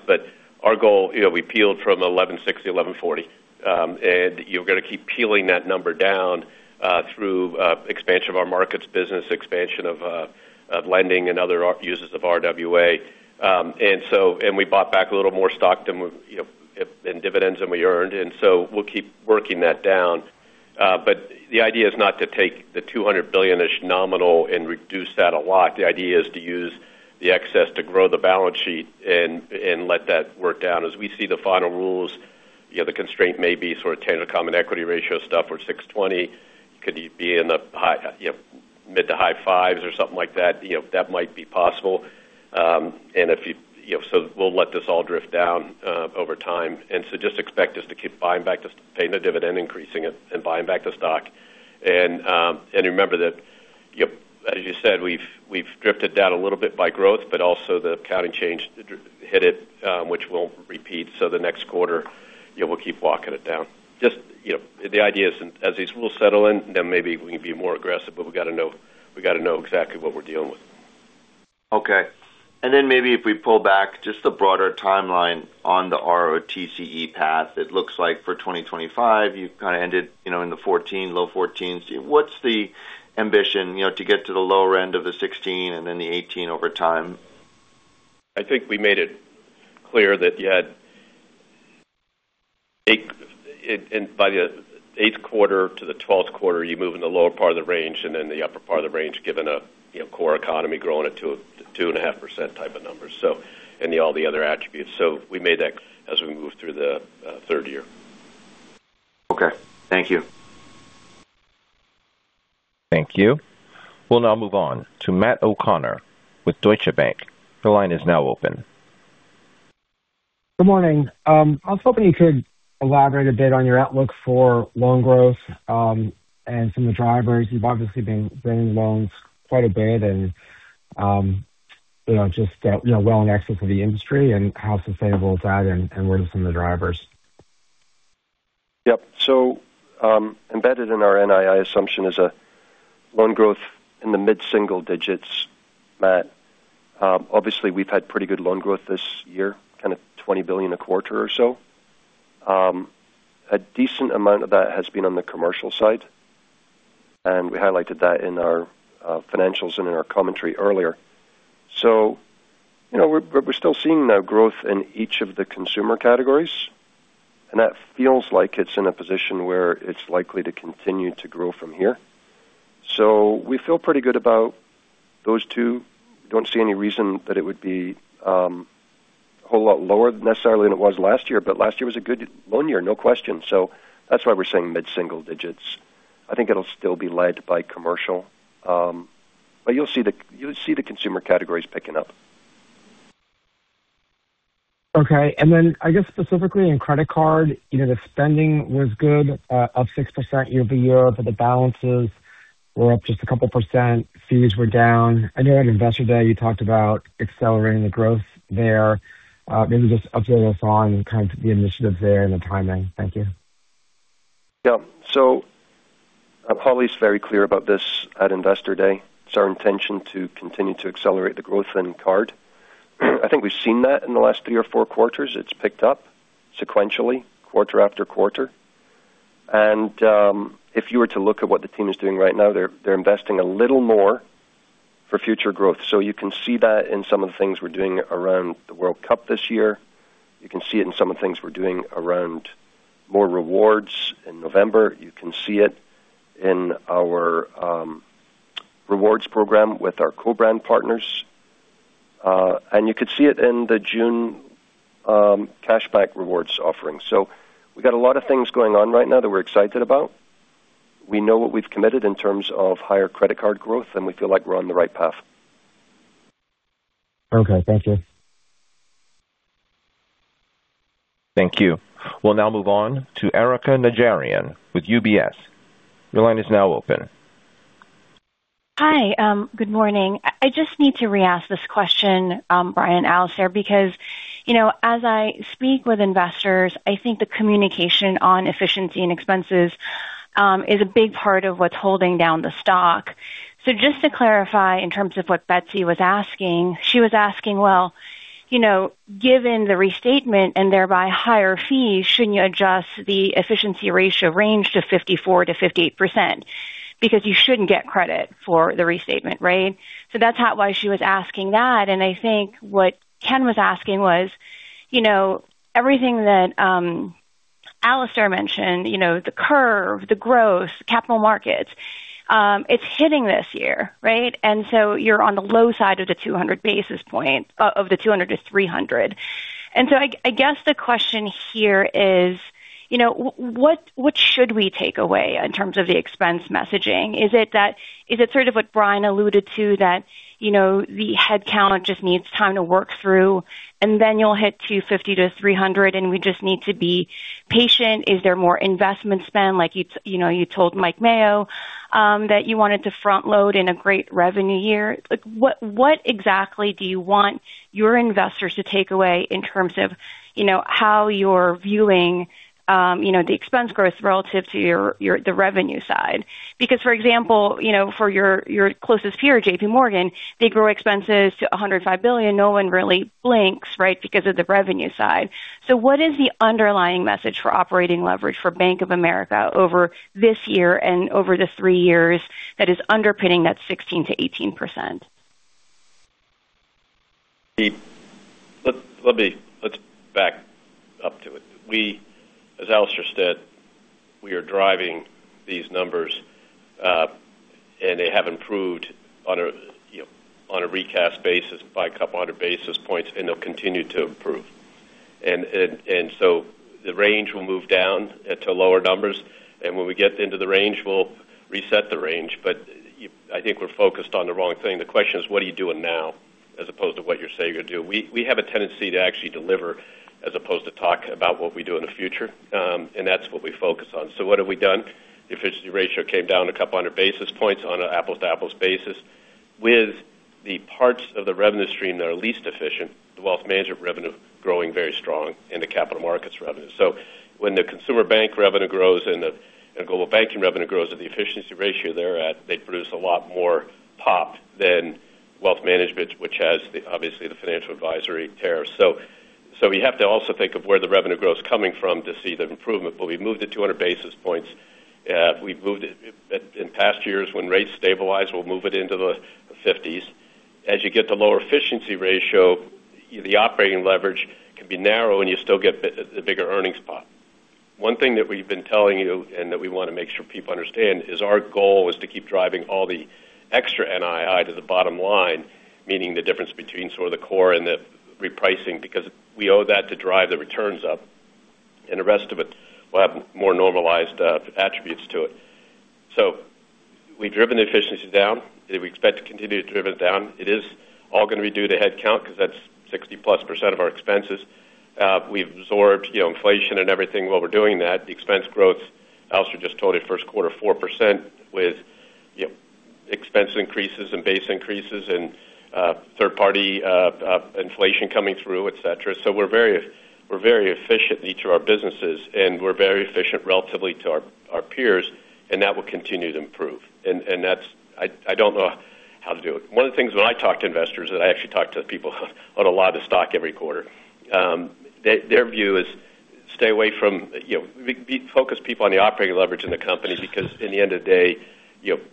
Our goal, we peeled from 11.6 to 11.40. You're going to keep peeling that number down through expansion of our markets, business expansion of lending and other uses of RWA. We bought back a little more stock than dividends than we earned. We'll keep working that down. The idea is not to take the $200 billion-ish nominal and reduce that a lot. The idea is to use the excess to grow the balance sheet and let that work down. As we see the final rules, the constraint may be sort of tangible common equity ratio stuff where 6.20 could be in the mid to high fives or something like that. That might be possible, and so we'll let this all drift down over time, and so just expect us to keep buying back, just paying the dividend, increasing it, and buying back the stock, and remember that, as you said, we've drifted down a little bit by growth, but also the accounting change hit it, which we'll repeat, so the next quarter, we'll keep walking it down. Just the idea is as these rules settle in, then maybe we can be more aggressive, but we got to know exactly what we're dealing with. Okay. And then maybe if we pull back just the broader timeline on the ROTCE path, it looks like for 2025, you've kind of ended in the 14%, low 14s%. What's the ambition to get to the lower end of the 16% and then the 18% over time? I think we made it clear that you had by the eighth quarter to the 12th quarter, you move in the lower part of the range and then the upper part of the range given a core economy growing at 2.5% type of numbers and all the other attributes. So we made that. As we move through the third year. Okay. Thank you. Thank you. We'll now move on to Matt O'Connor with Deutsche Bank. Your line is now open. Good morning. I was hoping you could elaborate a bit on your outlook for loan growth and some of the drivers. You've obviously been in loans quite a bit and just well in excess of the industry, and how sustainable is that and what are some of the drivers? Yep. So embedded in our NII assumption is a loan growth in the mid-single digits, Matt. Obviously, we've had pretty good loan growth this year, kind of $20 billion a quarter or so. A decent amount of that has been on the commercial side. And we highlighted that in our financials and in our commentary earlier. So we're still seeing growth in each of the consumer categories. And that feels like it's in a position where it's likely to continue to grow from here. So we feel pretty good about those two. We don't see any reason that it would be a whole lot lower necessarily than it was last year, but last year was a good loan year, no question. So that's why we're saying mid-single digits. I think it'll still be led by commercial. But you'll see the consumer categories picking up. Okay. And then I guess specifically in credit card, the spending was good of 6% year-over-year, but the balances were up just a couple%. Fees were down. I know at Investor Day, you talked about accelerating the growth there. Maybe just update us on kind of the initiatives there and the timing. Thank you. Yeah, so I'll probably be very clear about this at Investor Day. It's our intention to continue to accelerate the growth in card. I think we've seen that in the last three or four quarters. It's picked up sequentially, quarter after quarter, and if you were to look at what the team is doing right now, they're investing a little more for future growth. So you can see that in some of the things we're doing around the World Cup this year. You can see it in some of the things we're doing around more rewards in November. You can see it in our rewards program with our co-brand partners, and you could see it in the June cashback rewards offering. So we've got a lot of things going on right now that we're excited about. We know what we've committed in terms of higher credit card growth, and we feel like we're on the right path. Okay. Thank you. Thank you. We'll now move on to Erika Najarian with UBS. Your line is now open. Hi. Good morning. I just need to re-ask this question, Brian and Alastair, because as I speak with investors, I think the communication on efficiency and expenses is a big part of what's holding down the stock. So just to clarify in terms of what Betsy was asking, she was asking, "Well, given the restatement and thereby higher fees, shouldn't you adjust the efficiency ratio range to 54%-58%?" Because you shouldn't get credit for the restatement, right? So that's why she was asking that. And I think what Ken was asking was everything that Alastair mentioned, the curve, the growth, capital markets, it's hitting this year, right? And so you're on the low side of the 200 basis points of the 200-300. And so I guess the question here is, what should we take away in terms of the expense messaging? Is it sort of what Brian alluded to, that the headcount just needs time to work through, and then you'll hit 250 to 300, and we just need to be patient? Is there more investment spend, like you told Mike Mayo that you wanted to front-load in a great revenue year? What exactly do you want your investors to take away in terms of how you're viewing the expense growth relative to the revenue side? Because, for example, for your closest peer, JPMorgan, they grow expenses to $105 billion. No one really blinks, right, because of the revenue side. So what is the underlying message for operating leverage for Bank of America over this year and over the three years that is underpinning that 16%-18%? Let me, let's back up to it. As Alastair said, we are driving these numbers, and they have improved on a recast basis by a couple hundred basis points, and they'll continue to improve. And so the range will move down to lower numbers. And when we get into the range, we'll reset the range. But I think we're focused on the wrong thing. The question is, what are you doing now as opposed to what you're saying you're going to do? We have a tendency to actually deliver as opposed to talk about what we do in the future. And that's what we focus on. So what have we done? The efficiency ratio came down a couple hundred basis points on an apples-to-apples basis. With the parts of the revenue stream that are least efficient, the wealth management revenue growing very strong and the capital markets revenue. So when the consumer bank revenue grows and the global banking revenue grows at the efficiency ratio they're at, they produce a lot more pop than wealth management, which has obviously the financial advisory fees. So we have to also think of where the revenue growth is coming from to see the improvement. But we moved to 200 basis points. We've moved it in past years when rates stabilized, we'll move it into the 50s. As you get the lower efficiency ratio, the operating leverage can be narrow, and you still get the bigger earnings pop. One thing that we've been telling you and that we want to make sure people understand is our goal is to keep driving all the extra NII to the bottom line, meaning the difference between sort of the core and the repricing, because we owe that to drive the returns up. The rest of it will have more normalized attributes to it. So we've driven the efficiency down. We expect to continue to drive it down. It is all going to be due to headcount because that's 60% of our expenses. We've absorbed inflation and everything while we're doing that. The expense growth, Alastair just told you, Q1, 4% with expense increases and base increases and third-party inflation coming through, etc. So we're very efficient in each of our businesses, and we're very efficient relatively to our peers, and that will continue to improve. And I don't know how to do it. One of the things, when I talk to investors that I actually talk to a lot of people about stock every quarter, their view is stay away from, focus people on the operating leverage in the company because, at the end of the day,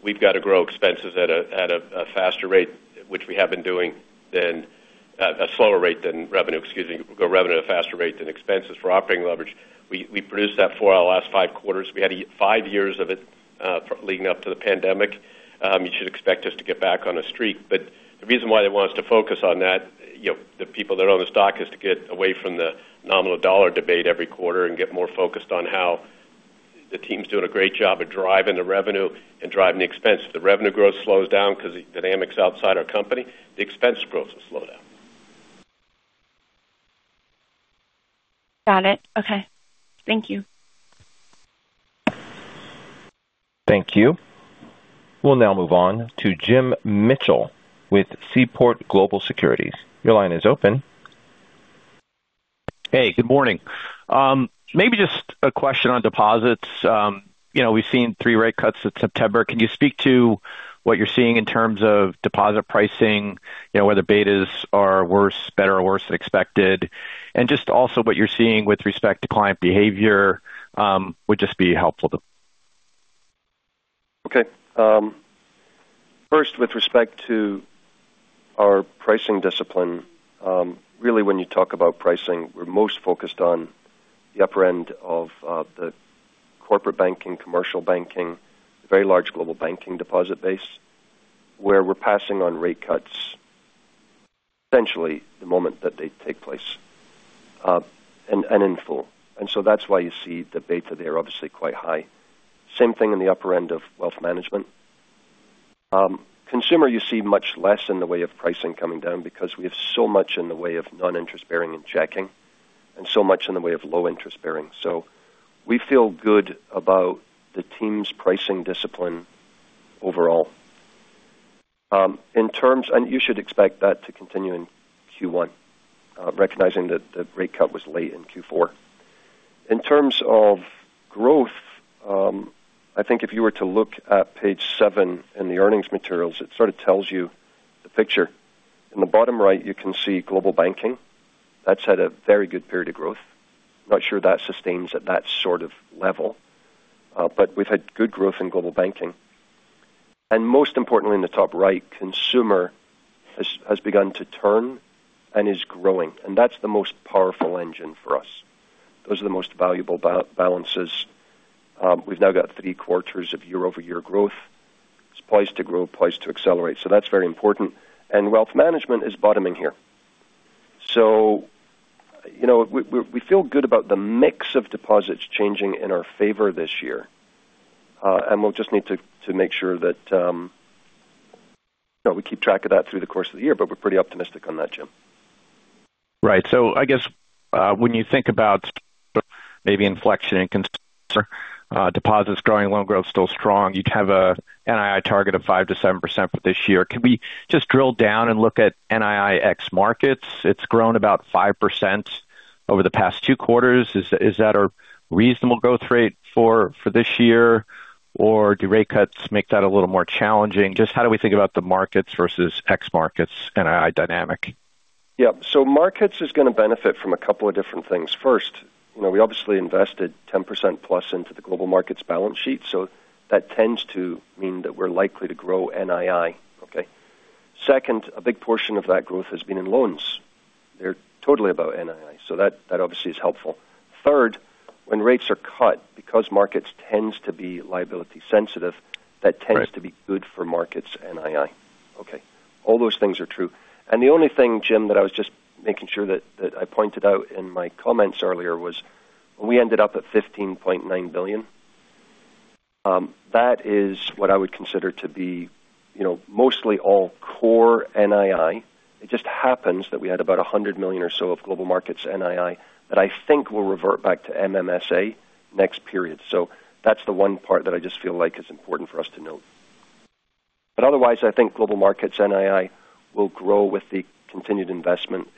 we've got to grow expenses at a faster rate, which we have been doing at a slower rate than revenue, excuse me, grow revenue at a faster rate than expenses for operating leverage. We produced that for our last five quarters. We had five years of it leading up to the pandemic. You should expect us to get back on a streak. But the reason why they want us to focus on that, the people that own the stock, is to get away from the nominal dollar debate every quarter and get more focused on how the team's doing a great job of driving the revenue and driving the expense. If the revenue growth slows down because of dynamics outside our company, the expense growth will slow down. Got it. Okay. Thank you. Thank you. We'll now move on to Jim Mitchell with Seaport Global Securities. Your line is open. Hey, good morning. Maybe just a question on deposits. We've seen three rate cuts in September. Can you speak to what you're seeing in terms of deposit pricing, whether betas are worse, better, or worse than expected? And just also what you're seeing with respect to client behavior would just be helpful. Okay. First, with respect to our pricing discipline, really when you talk about pricing, we're most focused on the upper end of the corporate banking, commercial banking, very large global banking deposit base where we're passing on rate cuts essentially the moment that they take place and in full. And so that's why you see the beta there obviously quite high. Same thing in the upper end of wealth management. Consumer, you see much less in the way of pricing coming down because we have so much in the way of non-interest bearing and checking and so much in the way of low interest bearing. So we feel good about the team's pricing discipline overall. And you should expect that to continue in Q1, recognizing that the rate cut was late in Q4. In terms of growth, I think if you were to look at page seven in the earnings materials, it sort of tells you the picture. In the bottom right, you can see Global Banking. That's had a very good period of growth. Not sure that sustains at that sort of level, but we've had good growth in Global Banking. And most importantly, in the top right, Consumer has begun to turn and is growing. And that's the most powerful engine for us. Those are the most valuable balances. We've now got three quarters of year-over-year growth. It's poised to grow, poised to accelerate. So that's very important. And Wealth Management is bottoming here. So we feel good about the mix of deposits changing in our favor this year. We'll just need to make sure that we keep track of that through the course of the year, but we're pretty optimistic on that, Jim. Right. So I guess when you think about maybe inflection in consumer deposits growing, loan growth still strong, you have an NII target of 5%-7% for this year. Can we just drill down and look at NII ex-markets? It's grown about 5% over the past two quarters. Is that a reasonable growth rate for this year? Or do rate cuts make that a little more challenging? Just how do we think about the markets versus ex-markets NII dynamic? Yep. So markets is going to benefit from a couple of different things. First, we obviously invested 10% plus into the global markets balance sheet. So that tends to mean that we're likely to grow NII, okay? Second, a big portion of that growth has been in loans. They're totally about NII. So that obviously is helpful. Third, when rates are cut, because markets tend to be liability sensitive, that tends to be good for markets NII. Okay. All those things are true. And the only thing, Jim, that I was just making sure that I pointed out in my comments earlier was we ended up at $15.9 billion. That is what I would consider to be mostly all core NII. It just happens that we had about $100 million or so of global markets NII that I think will revert back to MMSA next period. So that's the one part that I jut feel like is important for us to note. But otherwise, I think Global Markets NII will grow with the continued investment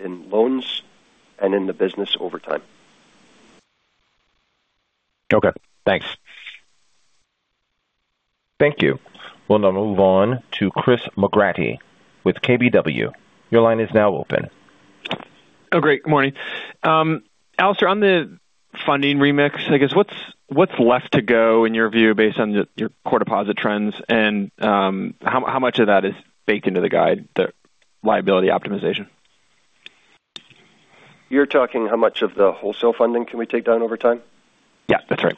in loans and in the business over time. Okay. Thanks. Thank you. We'll now move on to Chris McGratty with KBW. Your line is now open. Oh, great. Good morning. Alastair, on the funding remix, I guess, what's left to go in your view based on your core deposit trends? And how much of that is baked into the guide, the liability optimization? You're talking how much of the wholesale funding can we take down over time? Yeah, that's right.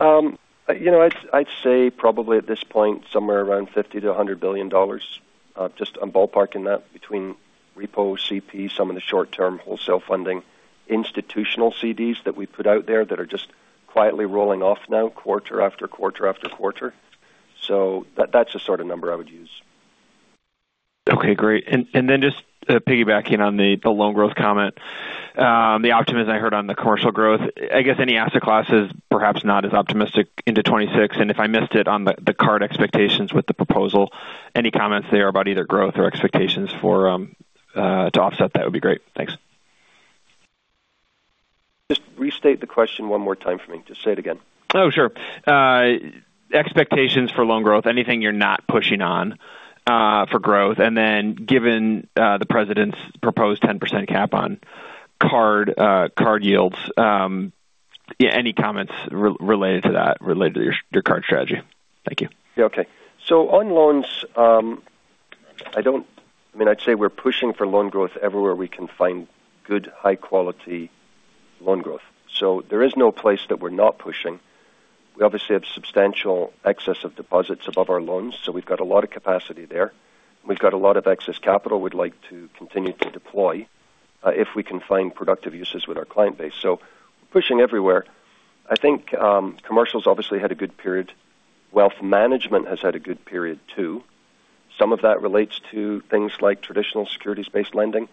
I'd say probably at this point, somewhere around $50 billion-$100 billion, just on ballparking that between repo, CP, some of the short-term wholesale funding, institutional CDs that we put out there that are just quietly rolling off now quarter after quarter after quarter. So that's the sort of number I would use. Okay. Great, and then just piggybacking on the loan growth comment, the optimism I heard on the commercial growth, I guess any asset classes, perhaps not as optimistic into 2026, and if I missed it on the card expectations with the proposal, any comments there about either growth or expectations to offset that would be great. Thanks. Just restate the question one more time for me. Just say it again. Oh, sure. Expectations for loan growth, anything you're not pushing on for growth. And then given the president's proposed 10% cap on card yields, any comments related to that, related to your card strategy? Thank you. Okay. So on loans, I mean, I'd say we're pushing for loan growth everywhere we can find good, high-quality loan growth. So there is no place that we're not pushing. We obviously have substantial excess of deposits above our loans. So we've got a lot of capacity there. We've got a lot of excess capital we'd like to continue to deploy if we can find productive uses with our client base. So we're pushing everywhere. I think commercial obviously had a good period. Wealth management has had a good period too. Some of that relates to things like traditional securities-based lending,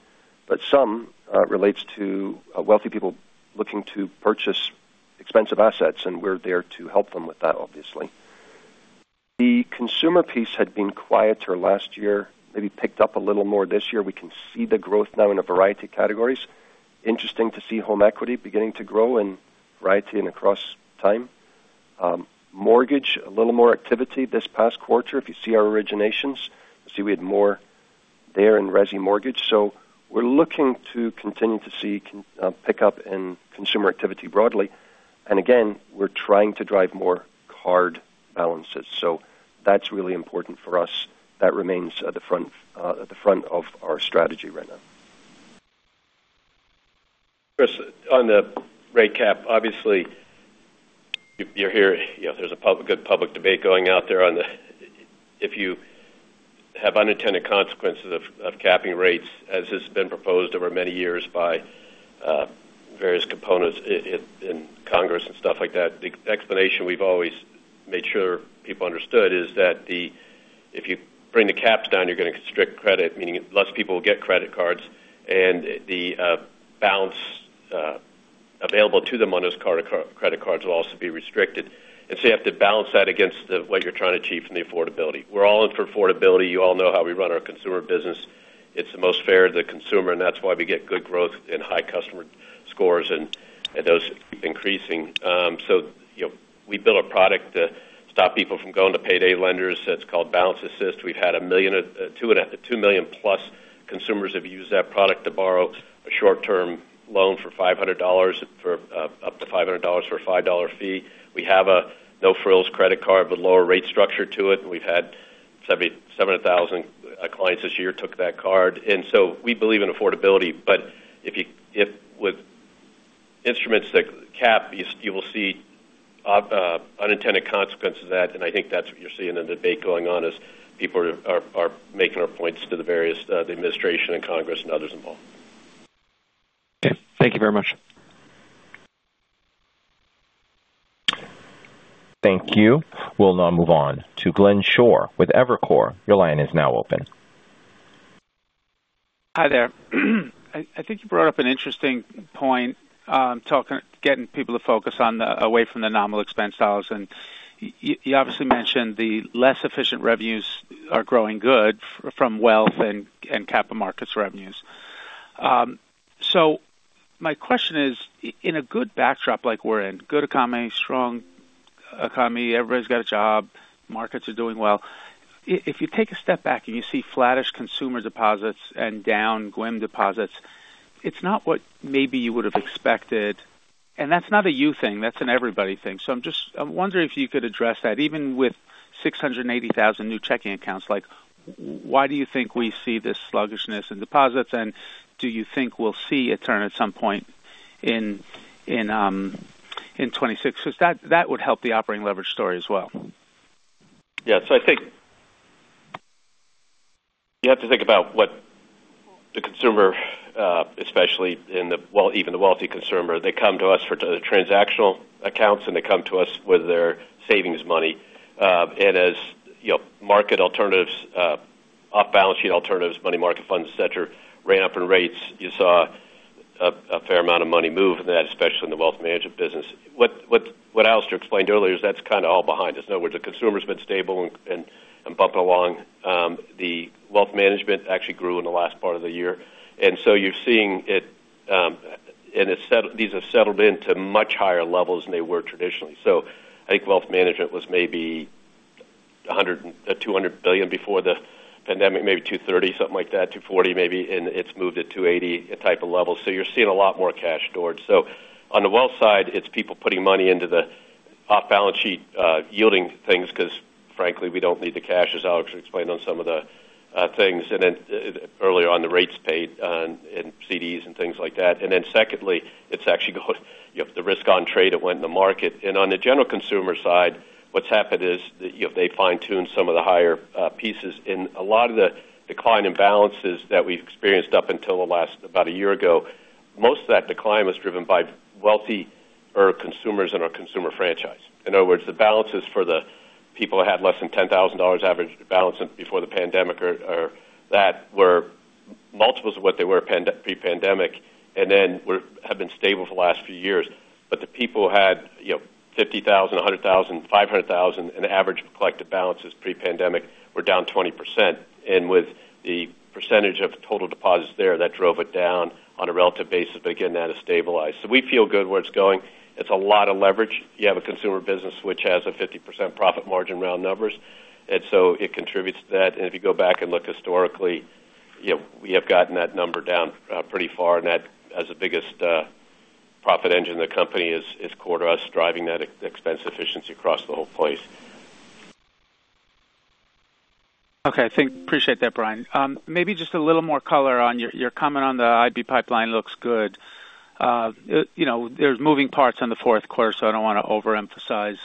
but some relates to wealthy people looking to purchase expensive assets. And we're there to help them with that, obviously. The consumer piece had been quieter last year, maybe picked up a little more this year. We can see the growth now in a variety of categories. Interesting to see home equity beginning to grow in variety and across time. Mortgage. A little more activity this past quarter. If you see our originations, you see we had more there in Resi mortgage. So we're looking to continue to see pickup in consumer activity broadly. And again, we're trying to drive more card balances. So that's really important for us. That remains at the front of our strategy right now. Chris, on the rate cap, obviously, you're here. There's a good public debate going out there on if you have unintended consequences of capping rates, as has been proposed over many years by various components in Congress and stuff like that. The explanation we've always made sure people understood is that if you bring the caps down, you're going to constrict credit, meaning less people will get credit cards. And the balance available to them on those credit cards will also be restricted. And so you have to balance that against what you're trying to achieve from the affordability. We're all in for affordability. You all know how we run our consumer business. It's the most fair to the consumer. And that's why we get good growth and high customer scores. And those keep increasing. So we built a product to stop people from going to payday lenders. It's called Balance Assist. We've had a million to two million plus consumers have used that product to borrow a short-term loan for $500, up to $500 for a $5 fee. We have a no-frills credit card with a lower rate structure to it. We've had 7,000 clients this year took that card, and so we believe in affordability. But with instruments like CAP, you will see unintended consequences of that. I think that's what you're seeing in the debate going on, is people are making our points to the various administrations and Congress and others involved. Okay. Thank you very much. Thank you. We'll now move on to Glenn Schorr with Evercore. Your line is now open. Hi there. I think you brought up an interesting point, getting people to focus away from the nominal expense dollars. And you obviously mentioned the less efficient revenues are growing good from wealth and capital markets revenues. So my question is, in a good backdrop like we're in, good economy, strong economy, everybody's got a job, markets are doing well, if you take a step back and you see flattish consumer deposits and downstream deposits, it's not what maybe you would have expected. And that's not a you thing. That's an everybody thing. So I'm wondering if you could address that, even with 680,000 new checking accounts. Why do you think we see this sluggishness in deposits? And do you think we'll see a turn at some point in 2026? Because that would help the operating leverage story as well. Yeah. So I think you have to think about what the consumer, especially even the wealthy consumer, they come to us for transactional accounts and they come to us with their savings money. And as market alternatives, off-balance sheet alternatives, money market funds, etc., ran up in rates, you saw a fair amount of money move in that, especially in the wealth management business. What Alastair explained earlier is that's kind of all behind us. Now, the consumer's been stable and bumping along. The wealth management actually grew in the last part of the year. And so you're seeing it, and these have settled into much higher levels than they were traditionally. So I think wealth management was maybe $200 billion before the pandemic, maybe $230, something like that, $240 maybe, and it's moved to $280 type of levels. So you're seeing a lot more cash stored. So on the wealth side, it's people putting money into the off-balance sheet yielding things because, frankly, we don't need the cash, as Alex explained on some of the things. And then earlier on, the rates paid in CDs and things like that. And then secondly, it's actually the risk on trade that went in the market. And on the general consumer side, what's happened is they fine-tuned some of the higher pieces. And a lot of the decline in balances that we've experienced up until about a year ago, most of that decline was driven by wealthy consumers and our consumer franchise. In other words, the balances for the people who had less than $10,000 average balance before the pandemic or that were multiples of what they were pre-pandemic and then have been stable for the last few years. But the people who had 50,000, 100,000, 500,000 in average collected balances pre-pandemic were down 20%. And with the percentage of total deposits there, that drove it down on a relative basis. But again, that has stabilized. So we feel good where it's going. It's a lot of leverage. You have a consumer business which has a 50% profit margin around numbers. And so it contributes to that. And if you go back and look historically, we have gotten that number down pretty far. And the biggest profit engine in the company is consumer, driving that expense efficiency across the whole place. Okay. I appreciate that, Brian. Maybe just a little more color on your comment on the IB pipeline looks good. There's moving parts in the Q4, so I don't want to overemphasize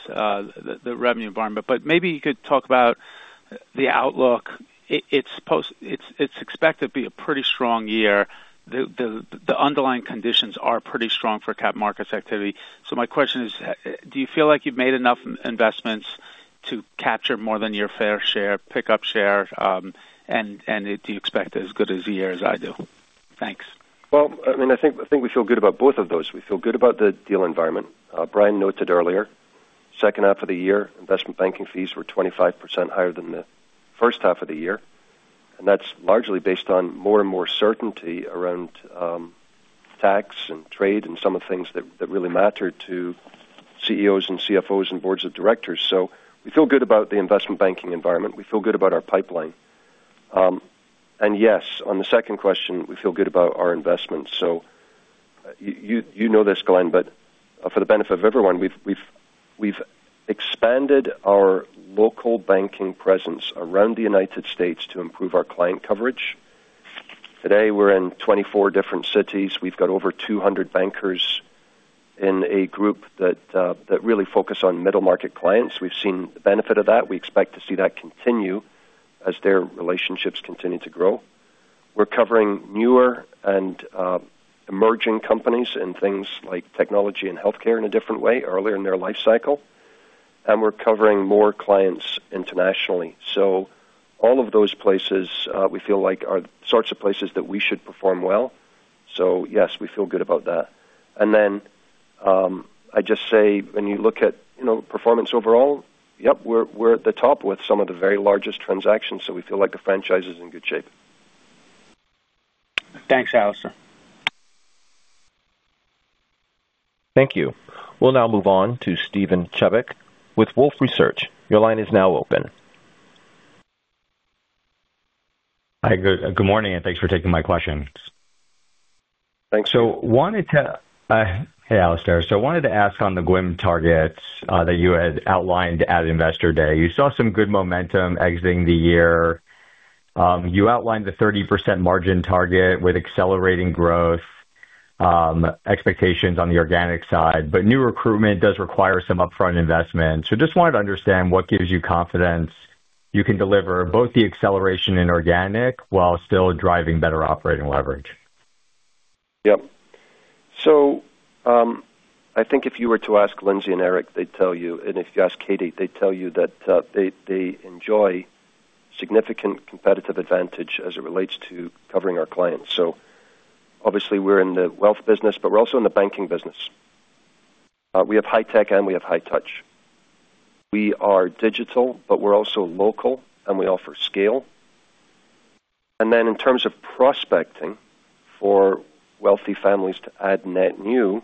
the revenue environment. But maybe you could talk about the outlook. It's expected to be a pretty strong year. The underlying conditions are pretty strong for capital markets activity. So my question is, do you feel like you've made enough investments to capture more than your fair share, pick up share? And do you expect as good a year as I do? Thanks. Well, I mean, I think we feel good about both of those. We feel good about the deal environment. Brian noted earlier, second half of the year, investment banking fees were 25% higher than the first half of the year. And that's largely based on more and more certainty around tax and trade and some of the things that really matter to CEOs and CFOs and boards of directors. So we feel good about the investment banking environment. We feel good about our pipeline. And yes, on the second question, we feel good about our investments. So you know this, Glenn, but for the benefit of everyone, we've expanded our local banking presence around the United States to improve our client coverage. Today, we're in 24 different cities. We've got over 200 bankers in a group that really focus on middle market clients. We've seen the benefit of that. We expect to see that continue as their relationships continue to grow. We're covering newer and emerging companies and things like technology and healthcare in a different way earlier in their life cycle, and we're covering more clients internationally, so all of those places, we feel like, are sorts of places that we should perform well, so yes, we feel good about that, and then I just say, when you look at performance overall, yep, we're at the top with some of the very largest transactions, so we feel like the franchise is in good shape. Thanks, Alistair. Thank you. We'll now move on to Steven Chubak with Wolfe Research. Your line is now open. Hi. Good morning and thanks for taking my question. Thanks. So I wanted to—hey, Alastair. So I wanted to ask on the GWM targets that you had outlined at Investor Day. You saw some good momentum exiting the year. You outlined the 30% margin target with accelerating growth expectations on the organic side. But new recruitment does require some upfront investment. So just wanted to understand what gives you confidence you can deliver both the acceleration and organic while still driving better operating leverage. Yep. So I think if you were to ask Lindsay and Eric, they'd tell you. And if you ask Katy, they'd tell you that they enjoy significant competitive advantage as it relates to covering our clients. So obviously, we're in the wealth business, but we're also in the banking business. We have high tech and we have high touch. We are digital, but we're also local, and we offer scale. And then in terms of prospecting for wealthy families to add net new,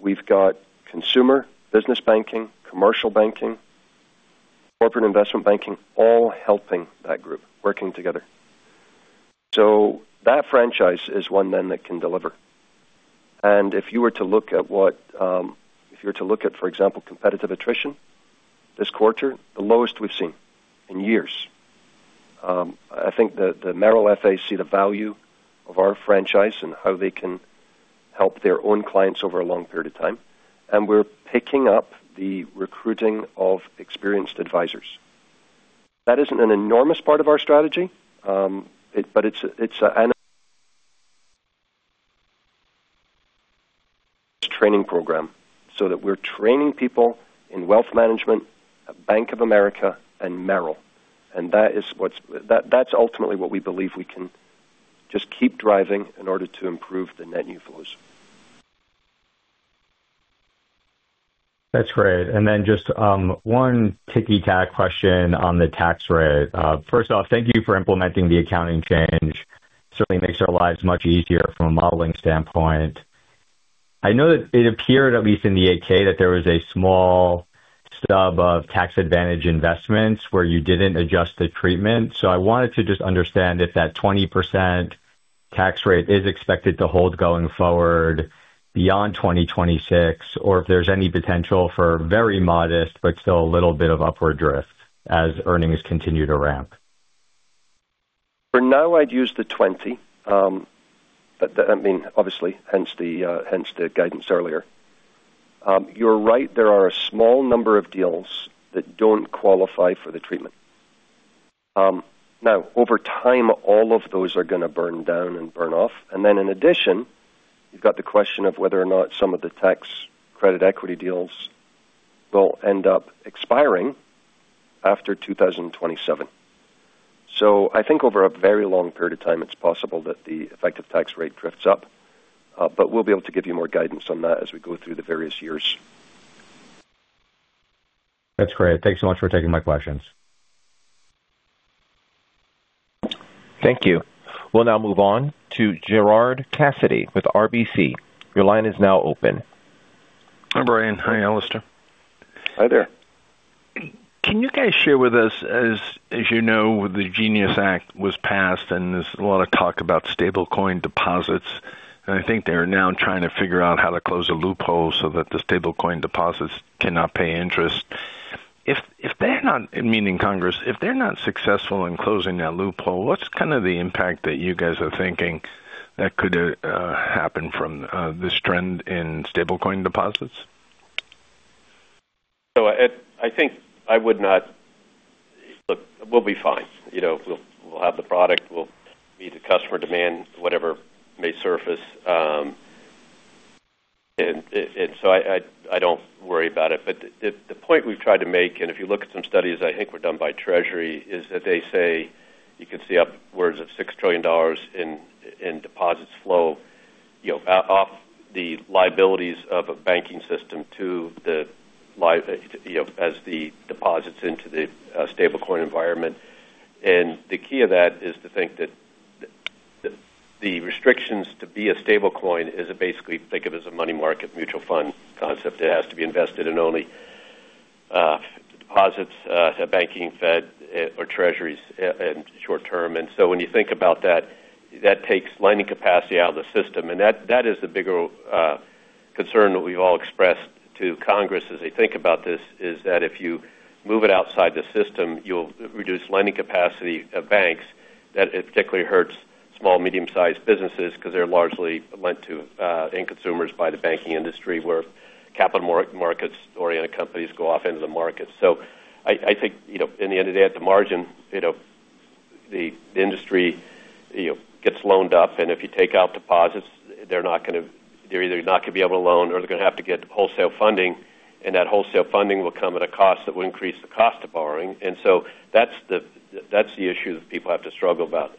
we've got consumer, business banking, commercial banking, corporate investment banking, all helping that group, working together. So that franchise is one then that can deliver. And if you were to look at, for example, competitive attrition this quarter, the lowest we've seen in years. I think the Merrill FA see the value of our franchise and how they can help their own clients over a long period of time, and we're picking up the recruiting of experienced advisors. That isn't an enormous part of our strategy, but it's a training program so that we're training people in wealth management, Bank of America, and Merrill, and that's ultimately what we believe we can just keep driving in order to improve the net new flows. That's great. And then just one ticky-tack question on the tax rate. First off, thank you for implementing the accounting change. Certainly makes our lives much easier from a modeling standpoint. I know that it appeared, at least in the 8-K, that there was a small stub of tax-advantaged investments where you didn't adjust the treatment. So I wanted to just understand if that 20% tax rate is expected to hold going forward beyond 2026, or if there's any potential for very modest, but still a little bit of upward drift as earnings continue to ramp. For now, I'd use the 20. I mean, obviously, hence the guidance earlier. You're right. There are a small number of deals that don't qualify for the treatment. Now, over time, all of those are going to burn down and burn off. And then in addition, you've got the question of whether or not some of the tax credit equity deals will end up expiring after 2027. So I think over a very long period of time, it's possible that the effective tax rate drifts up. But we'll be able to give you more guidance on that as we go through the various years. That's great. Thanks so much for taking my questions. Thank you. We'll now move on to Gerard Cassidy with RBC. Your line is now open. Hi, Brian. Hi, Alastair. Hi there. Can you guys share with us, as you know, the Genius Act was passed, and there's a lot of talk about stablecoin deposits. And I think they're now trying to figure out how to close a loophole so that the stablecoin deposits cannot pay interest. If they're not, meaning Congress, if they're not successful in closing that loophole, what's kind of the impact that you guys are thinking that could happen from this trend in stablecoin deposits? So I think I would not look. We'll be fine. We'll have the product. We'll meet the customer demand, whatever may surface. And so I don't worry about it. But the point we've tried to make, and if you look at some studies, I think were done by Treasury, is that they say you can see upwards of $6 trillion in deposits flow off the liabilities of a banking system to the, as the deposits into the stablecoin environment. And the key of that is to think that the restrictions to be a stablecoin is basically think of it as a money market mutual fund concept. It has to be invested in only deposits, a banking Fed, or Treasuries in short term. And so when you think about that, that takes lending capacity out of the system. And that is the bigger concern that we've all expressed to Congress as they think about this, is that if you move it outside the system, you'll reduce lending capacity of banks. That particularly hurts small, medium-sized businesses because they're largely lent to end consumers by the banking industry where capital markets-oriented companies go off into the market. So I think in the end of the day, at the margin, the industry gets loaned up. And if you take out deposits, they're either not going to be able to loan, or they're going to have to get wholesale funding. And that wholesale funding will come at a cost that will increase the cost of borrowing. And so that's the issue that people have to struggle about.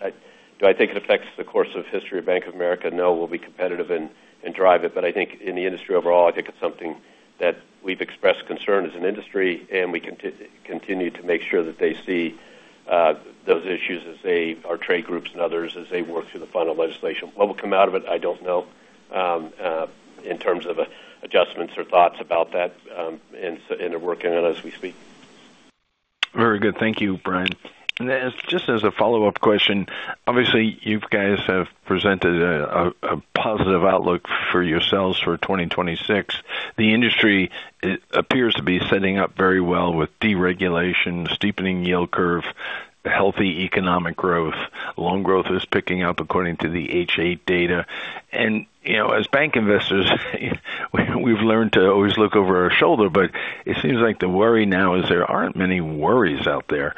Do I think it affects the course of history of Bank of America? No, we'll be competitive and drive it. But I think in the industry overall, I think it's something that we've expressed concern as an industry, and we continue to make sure that they see those issues as our trade groups and others as they work through the final legislation. What will come out of it, I don't know in terms of adjustments or thoughts about that and working on it as we speak. Very good. Thank you, Brian. And just as a follow-up question, obviously, you guys have presented a positive outlook for yourselves for 2026. The industry appears to be setting up very well with deregulation, a steepening yield curve, healthy economic growth. Loan growth is picking up according to the H-8 data. And as bank investors, we've learned to always look over our shoulder. But it seems like the worry now is there aren't many worries out there.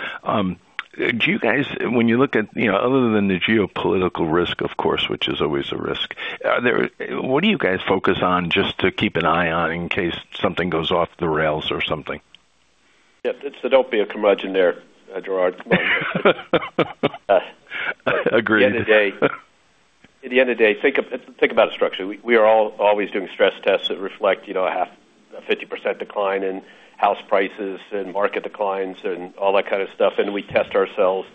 Do you guys, when you look at other than the geopolitical risk, of course, which is always a risk, what do you guys focus on just to keep an eye on in case something goes off the rails or something? Yeah. It's the don't be a contrarian there, Gerard. Agreed. At the end of the day, think about a structure. We are all always doing stress tests that reflect a 50% decline in house prices and market declines and all that kind of stuff. And we test ourselves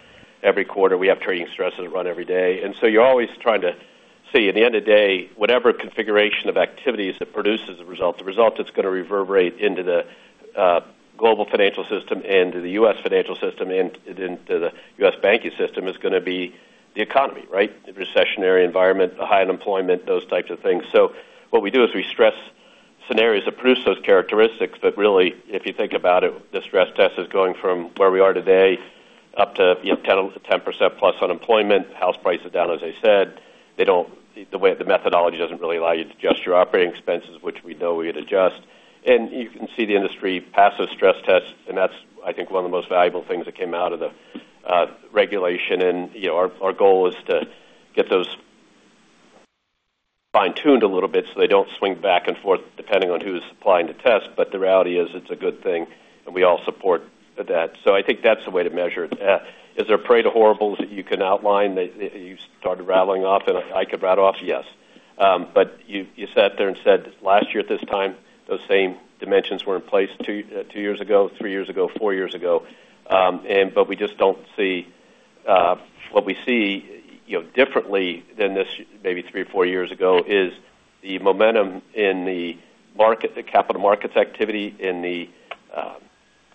every quarter. We have trading stresses that run every day. And so you're always trying to see at the end of the day, whatever configuration of activities that produces a result, the result that's going to reverberate into the global financial system and the U.S. financial system and into the U.S. banking system is going to be the economy, right? The recessionary environment, the high unemployment, those types of things. So what we do is we stress scenarios that produce those characteristics. But really, if you think about it, the stress test is going from where we are today up to 10% plus unemployment. House prices down, as I said. The methodology doesn't really allow you to adjust your operating expenses, which we know we had to adjust. And you can see the industry passes stress tests. And that's, I think, one of the most valuable things that came out of the regulation. And our goal is to get those fine-tuned a little bit so they don't swing back and forth depending on who's applying the test. But the reality is it's a good thing. And we all support that. So I think that's the way to measure it. Is there a parade of horribles that you can outline that you started rattling off and I could rattle off? Yes. But you sat there and said last year at this time, those same dimensions were in place two years ago, three years ago, four years ago. But we just don't see what we see differently than this maybe three or four years ago is the momentum in the capital markets activity, in the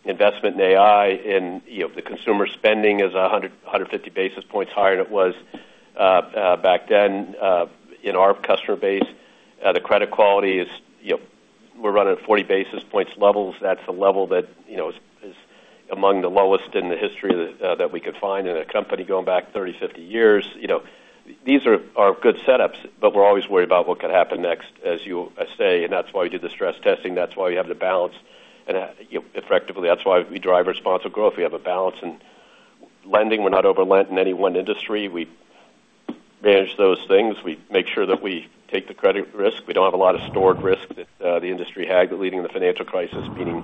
investment in AI, in the consumer spending is 150 basis points higher than it was back then in our customer base. The credit quality is. We're running at 40 basis points levels. That's a level that is among the lowest in the history that we could find in a company going back 30, 50 years. These are good setups, but we're always worried about what could happen next, as you say, and that's why we do the stress testing. That's why we have the balance, and effectively, that's why we drive responsive growth. We have a balance in lending. We're not over-renting any one industry. We manage those things. We make sure that we take the credit risk. We don't have a lot of stored risk that the industry had leading in the financial crisis, meaning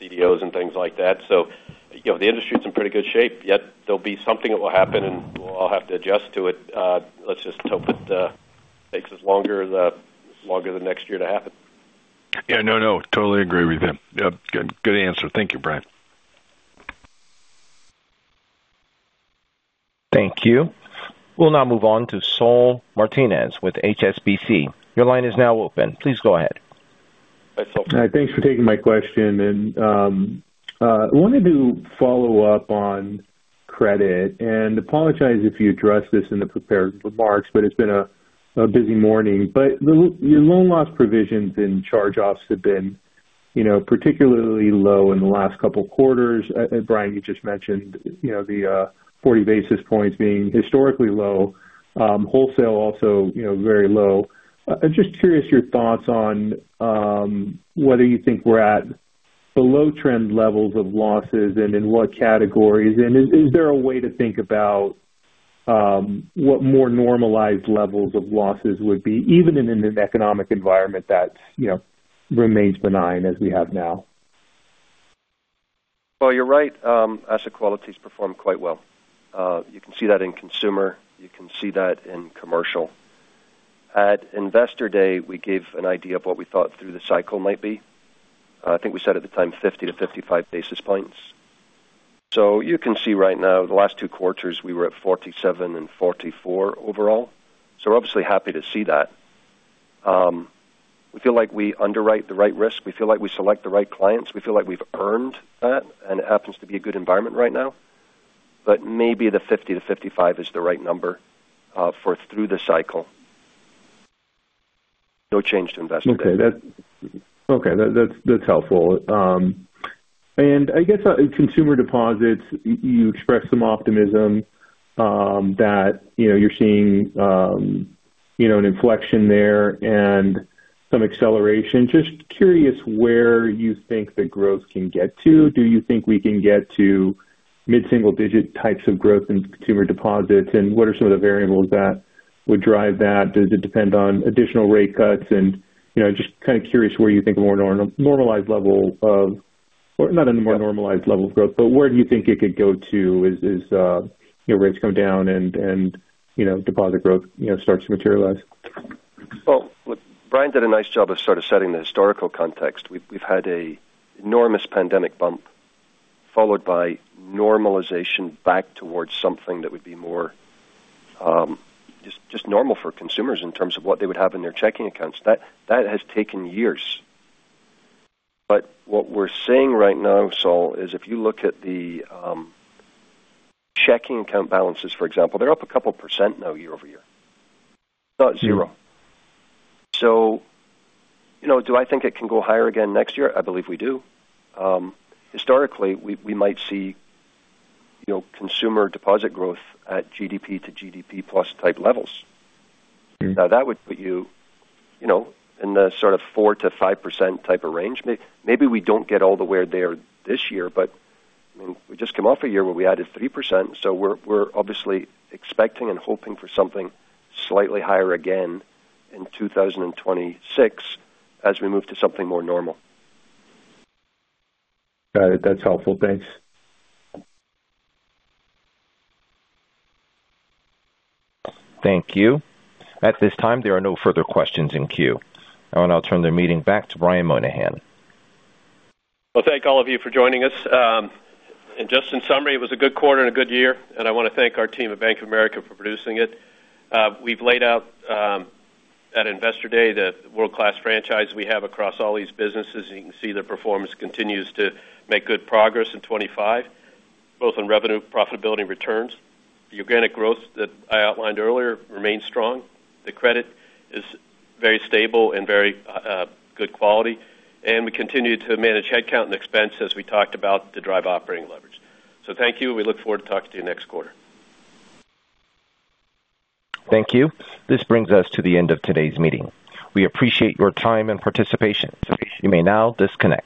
CDOs and things like that. So the industry is in pretty good shape. Yet there'll be something that will happen, and we'll all have to adjust to it. Let's just hope it takes as long as the next year to happen. Yeah. No, no. Totally agree with you. Good answer. Thank you, Brian. Thank you. We'll now move on to Saul Martinez with HSBC. Your line is now open. Please go ahead. Hi, Sol. Hi. Thanks for taking my question. I wanted to follow up on credit and apologize if you addressed this in the prepared remarks, but it's been a busy morning. But your loan loss provisions and charge-offs have been particularly low in the last couple of quarters. And Brian, you just mentioned the 40 basis points being historically low. Wholesale also very low. I'm just curious about your thoughts on whether you think we're at below trend levels of losses and in what categories. And is there a way to think about what more normalized levels of losses would be, even in an economic environment that remains benign as we have now? You're right. Asset quality performs quite well. You can see that in consumer. You can see that in commercial. At Investor Day, we gave an idea of what we thought through the cycle might be. I think we said at the time 50-55 basis points. You can see right now, the last two quarters, we were at 47 and 44 overall. We're obviously happy to see that. We feel like we underwrite the right risk. We feel like we select the right clients. We feel like we've earned that. It happens to be a good environment right now. Maybe the 50-55 is the right number for through the cycle. No change to Investor Day. Okay. Okay. That's helpful. And I guess consumer deposits, you expressed some optimism that you're seeing an inflection there and some acceleration. Just curious where you think the growth can get to. Do you think we can get to mid-single-digit types of growth in consumer deposits? And what are some of the variables that would drive that? Does it depend on additional rate cuts? And just kind of curious where you think a more normalized level of, or not a more normalized level of growth, but where do you think it could go to as rates come down and deposit growth starts to materialize? Brian did a nice job of sort of setting the historical context. We've had an enormous pandemic bump followed by normalization back towards something that would be more just normal for consumers in terms of what they would have in their checking accounts. That has taken years. But what we're seeing right now, Sol, is if you look at the checking account balances, for example, they're up a couple% now year over year, not zero. So do I think it can go higher again next year? I believe we do. Historically, we might see consumer deposit growth at GDP to GDP plus type levels. Now, that would put you in the sort of 4%-5% type arrangement. Maybe we don't get all the way there this year, but we just came off a year where we added 3%. So we're obviously expecting and hoping for something slightly higher again in 2026 as we move to something more normal. Got it. That's helpful. Thanks. Thank you. At this time, there are no further questions in queue, and I'll turn the meeting back to Brian Moynihan. Thank all of you for joining us. Just in summary, it was a good quarter and a good year. I want to thank our team at Bank of America for producing it. We've laid out at Investor Day the world-class franchise we have across all these businesses. You can see the performance continues to make good progress in 2025, both in revenue, profitability, and returns. The organic growth that I outlined earlier remains strong. The credit is very stable and very good quality. We continue to manage headcount and expense, as we talked about, to drive operating leverage. Thank you. We look forward to talking to you next quarter. Thank you. This brings us to the end of today's meeting. We appreciate your time and participation. You may now disconnect.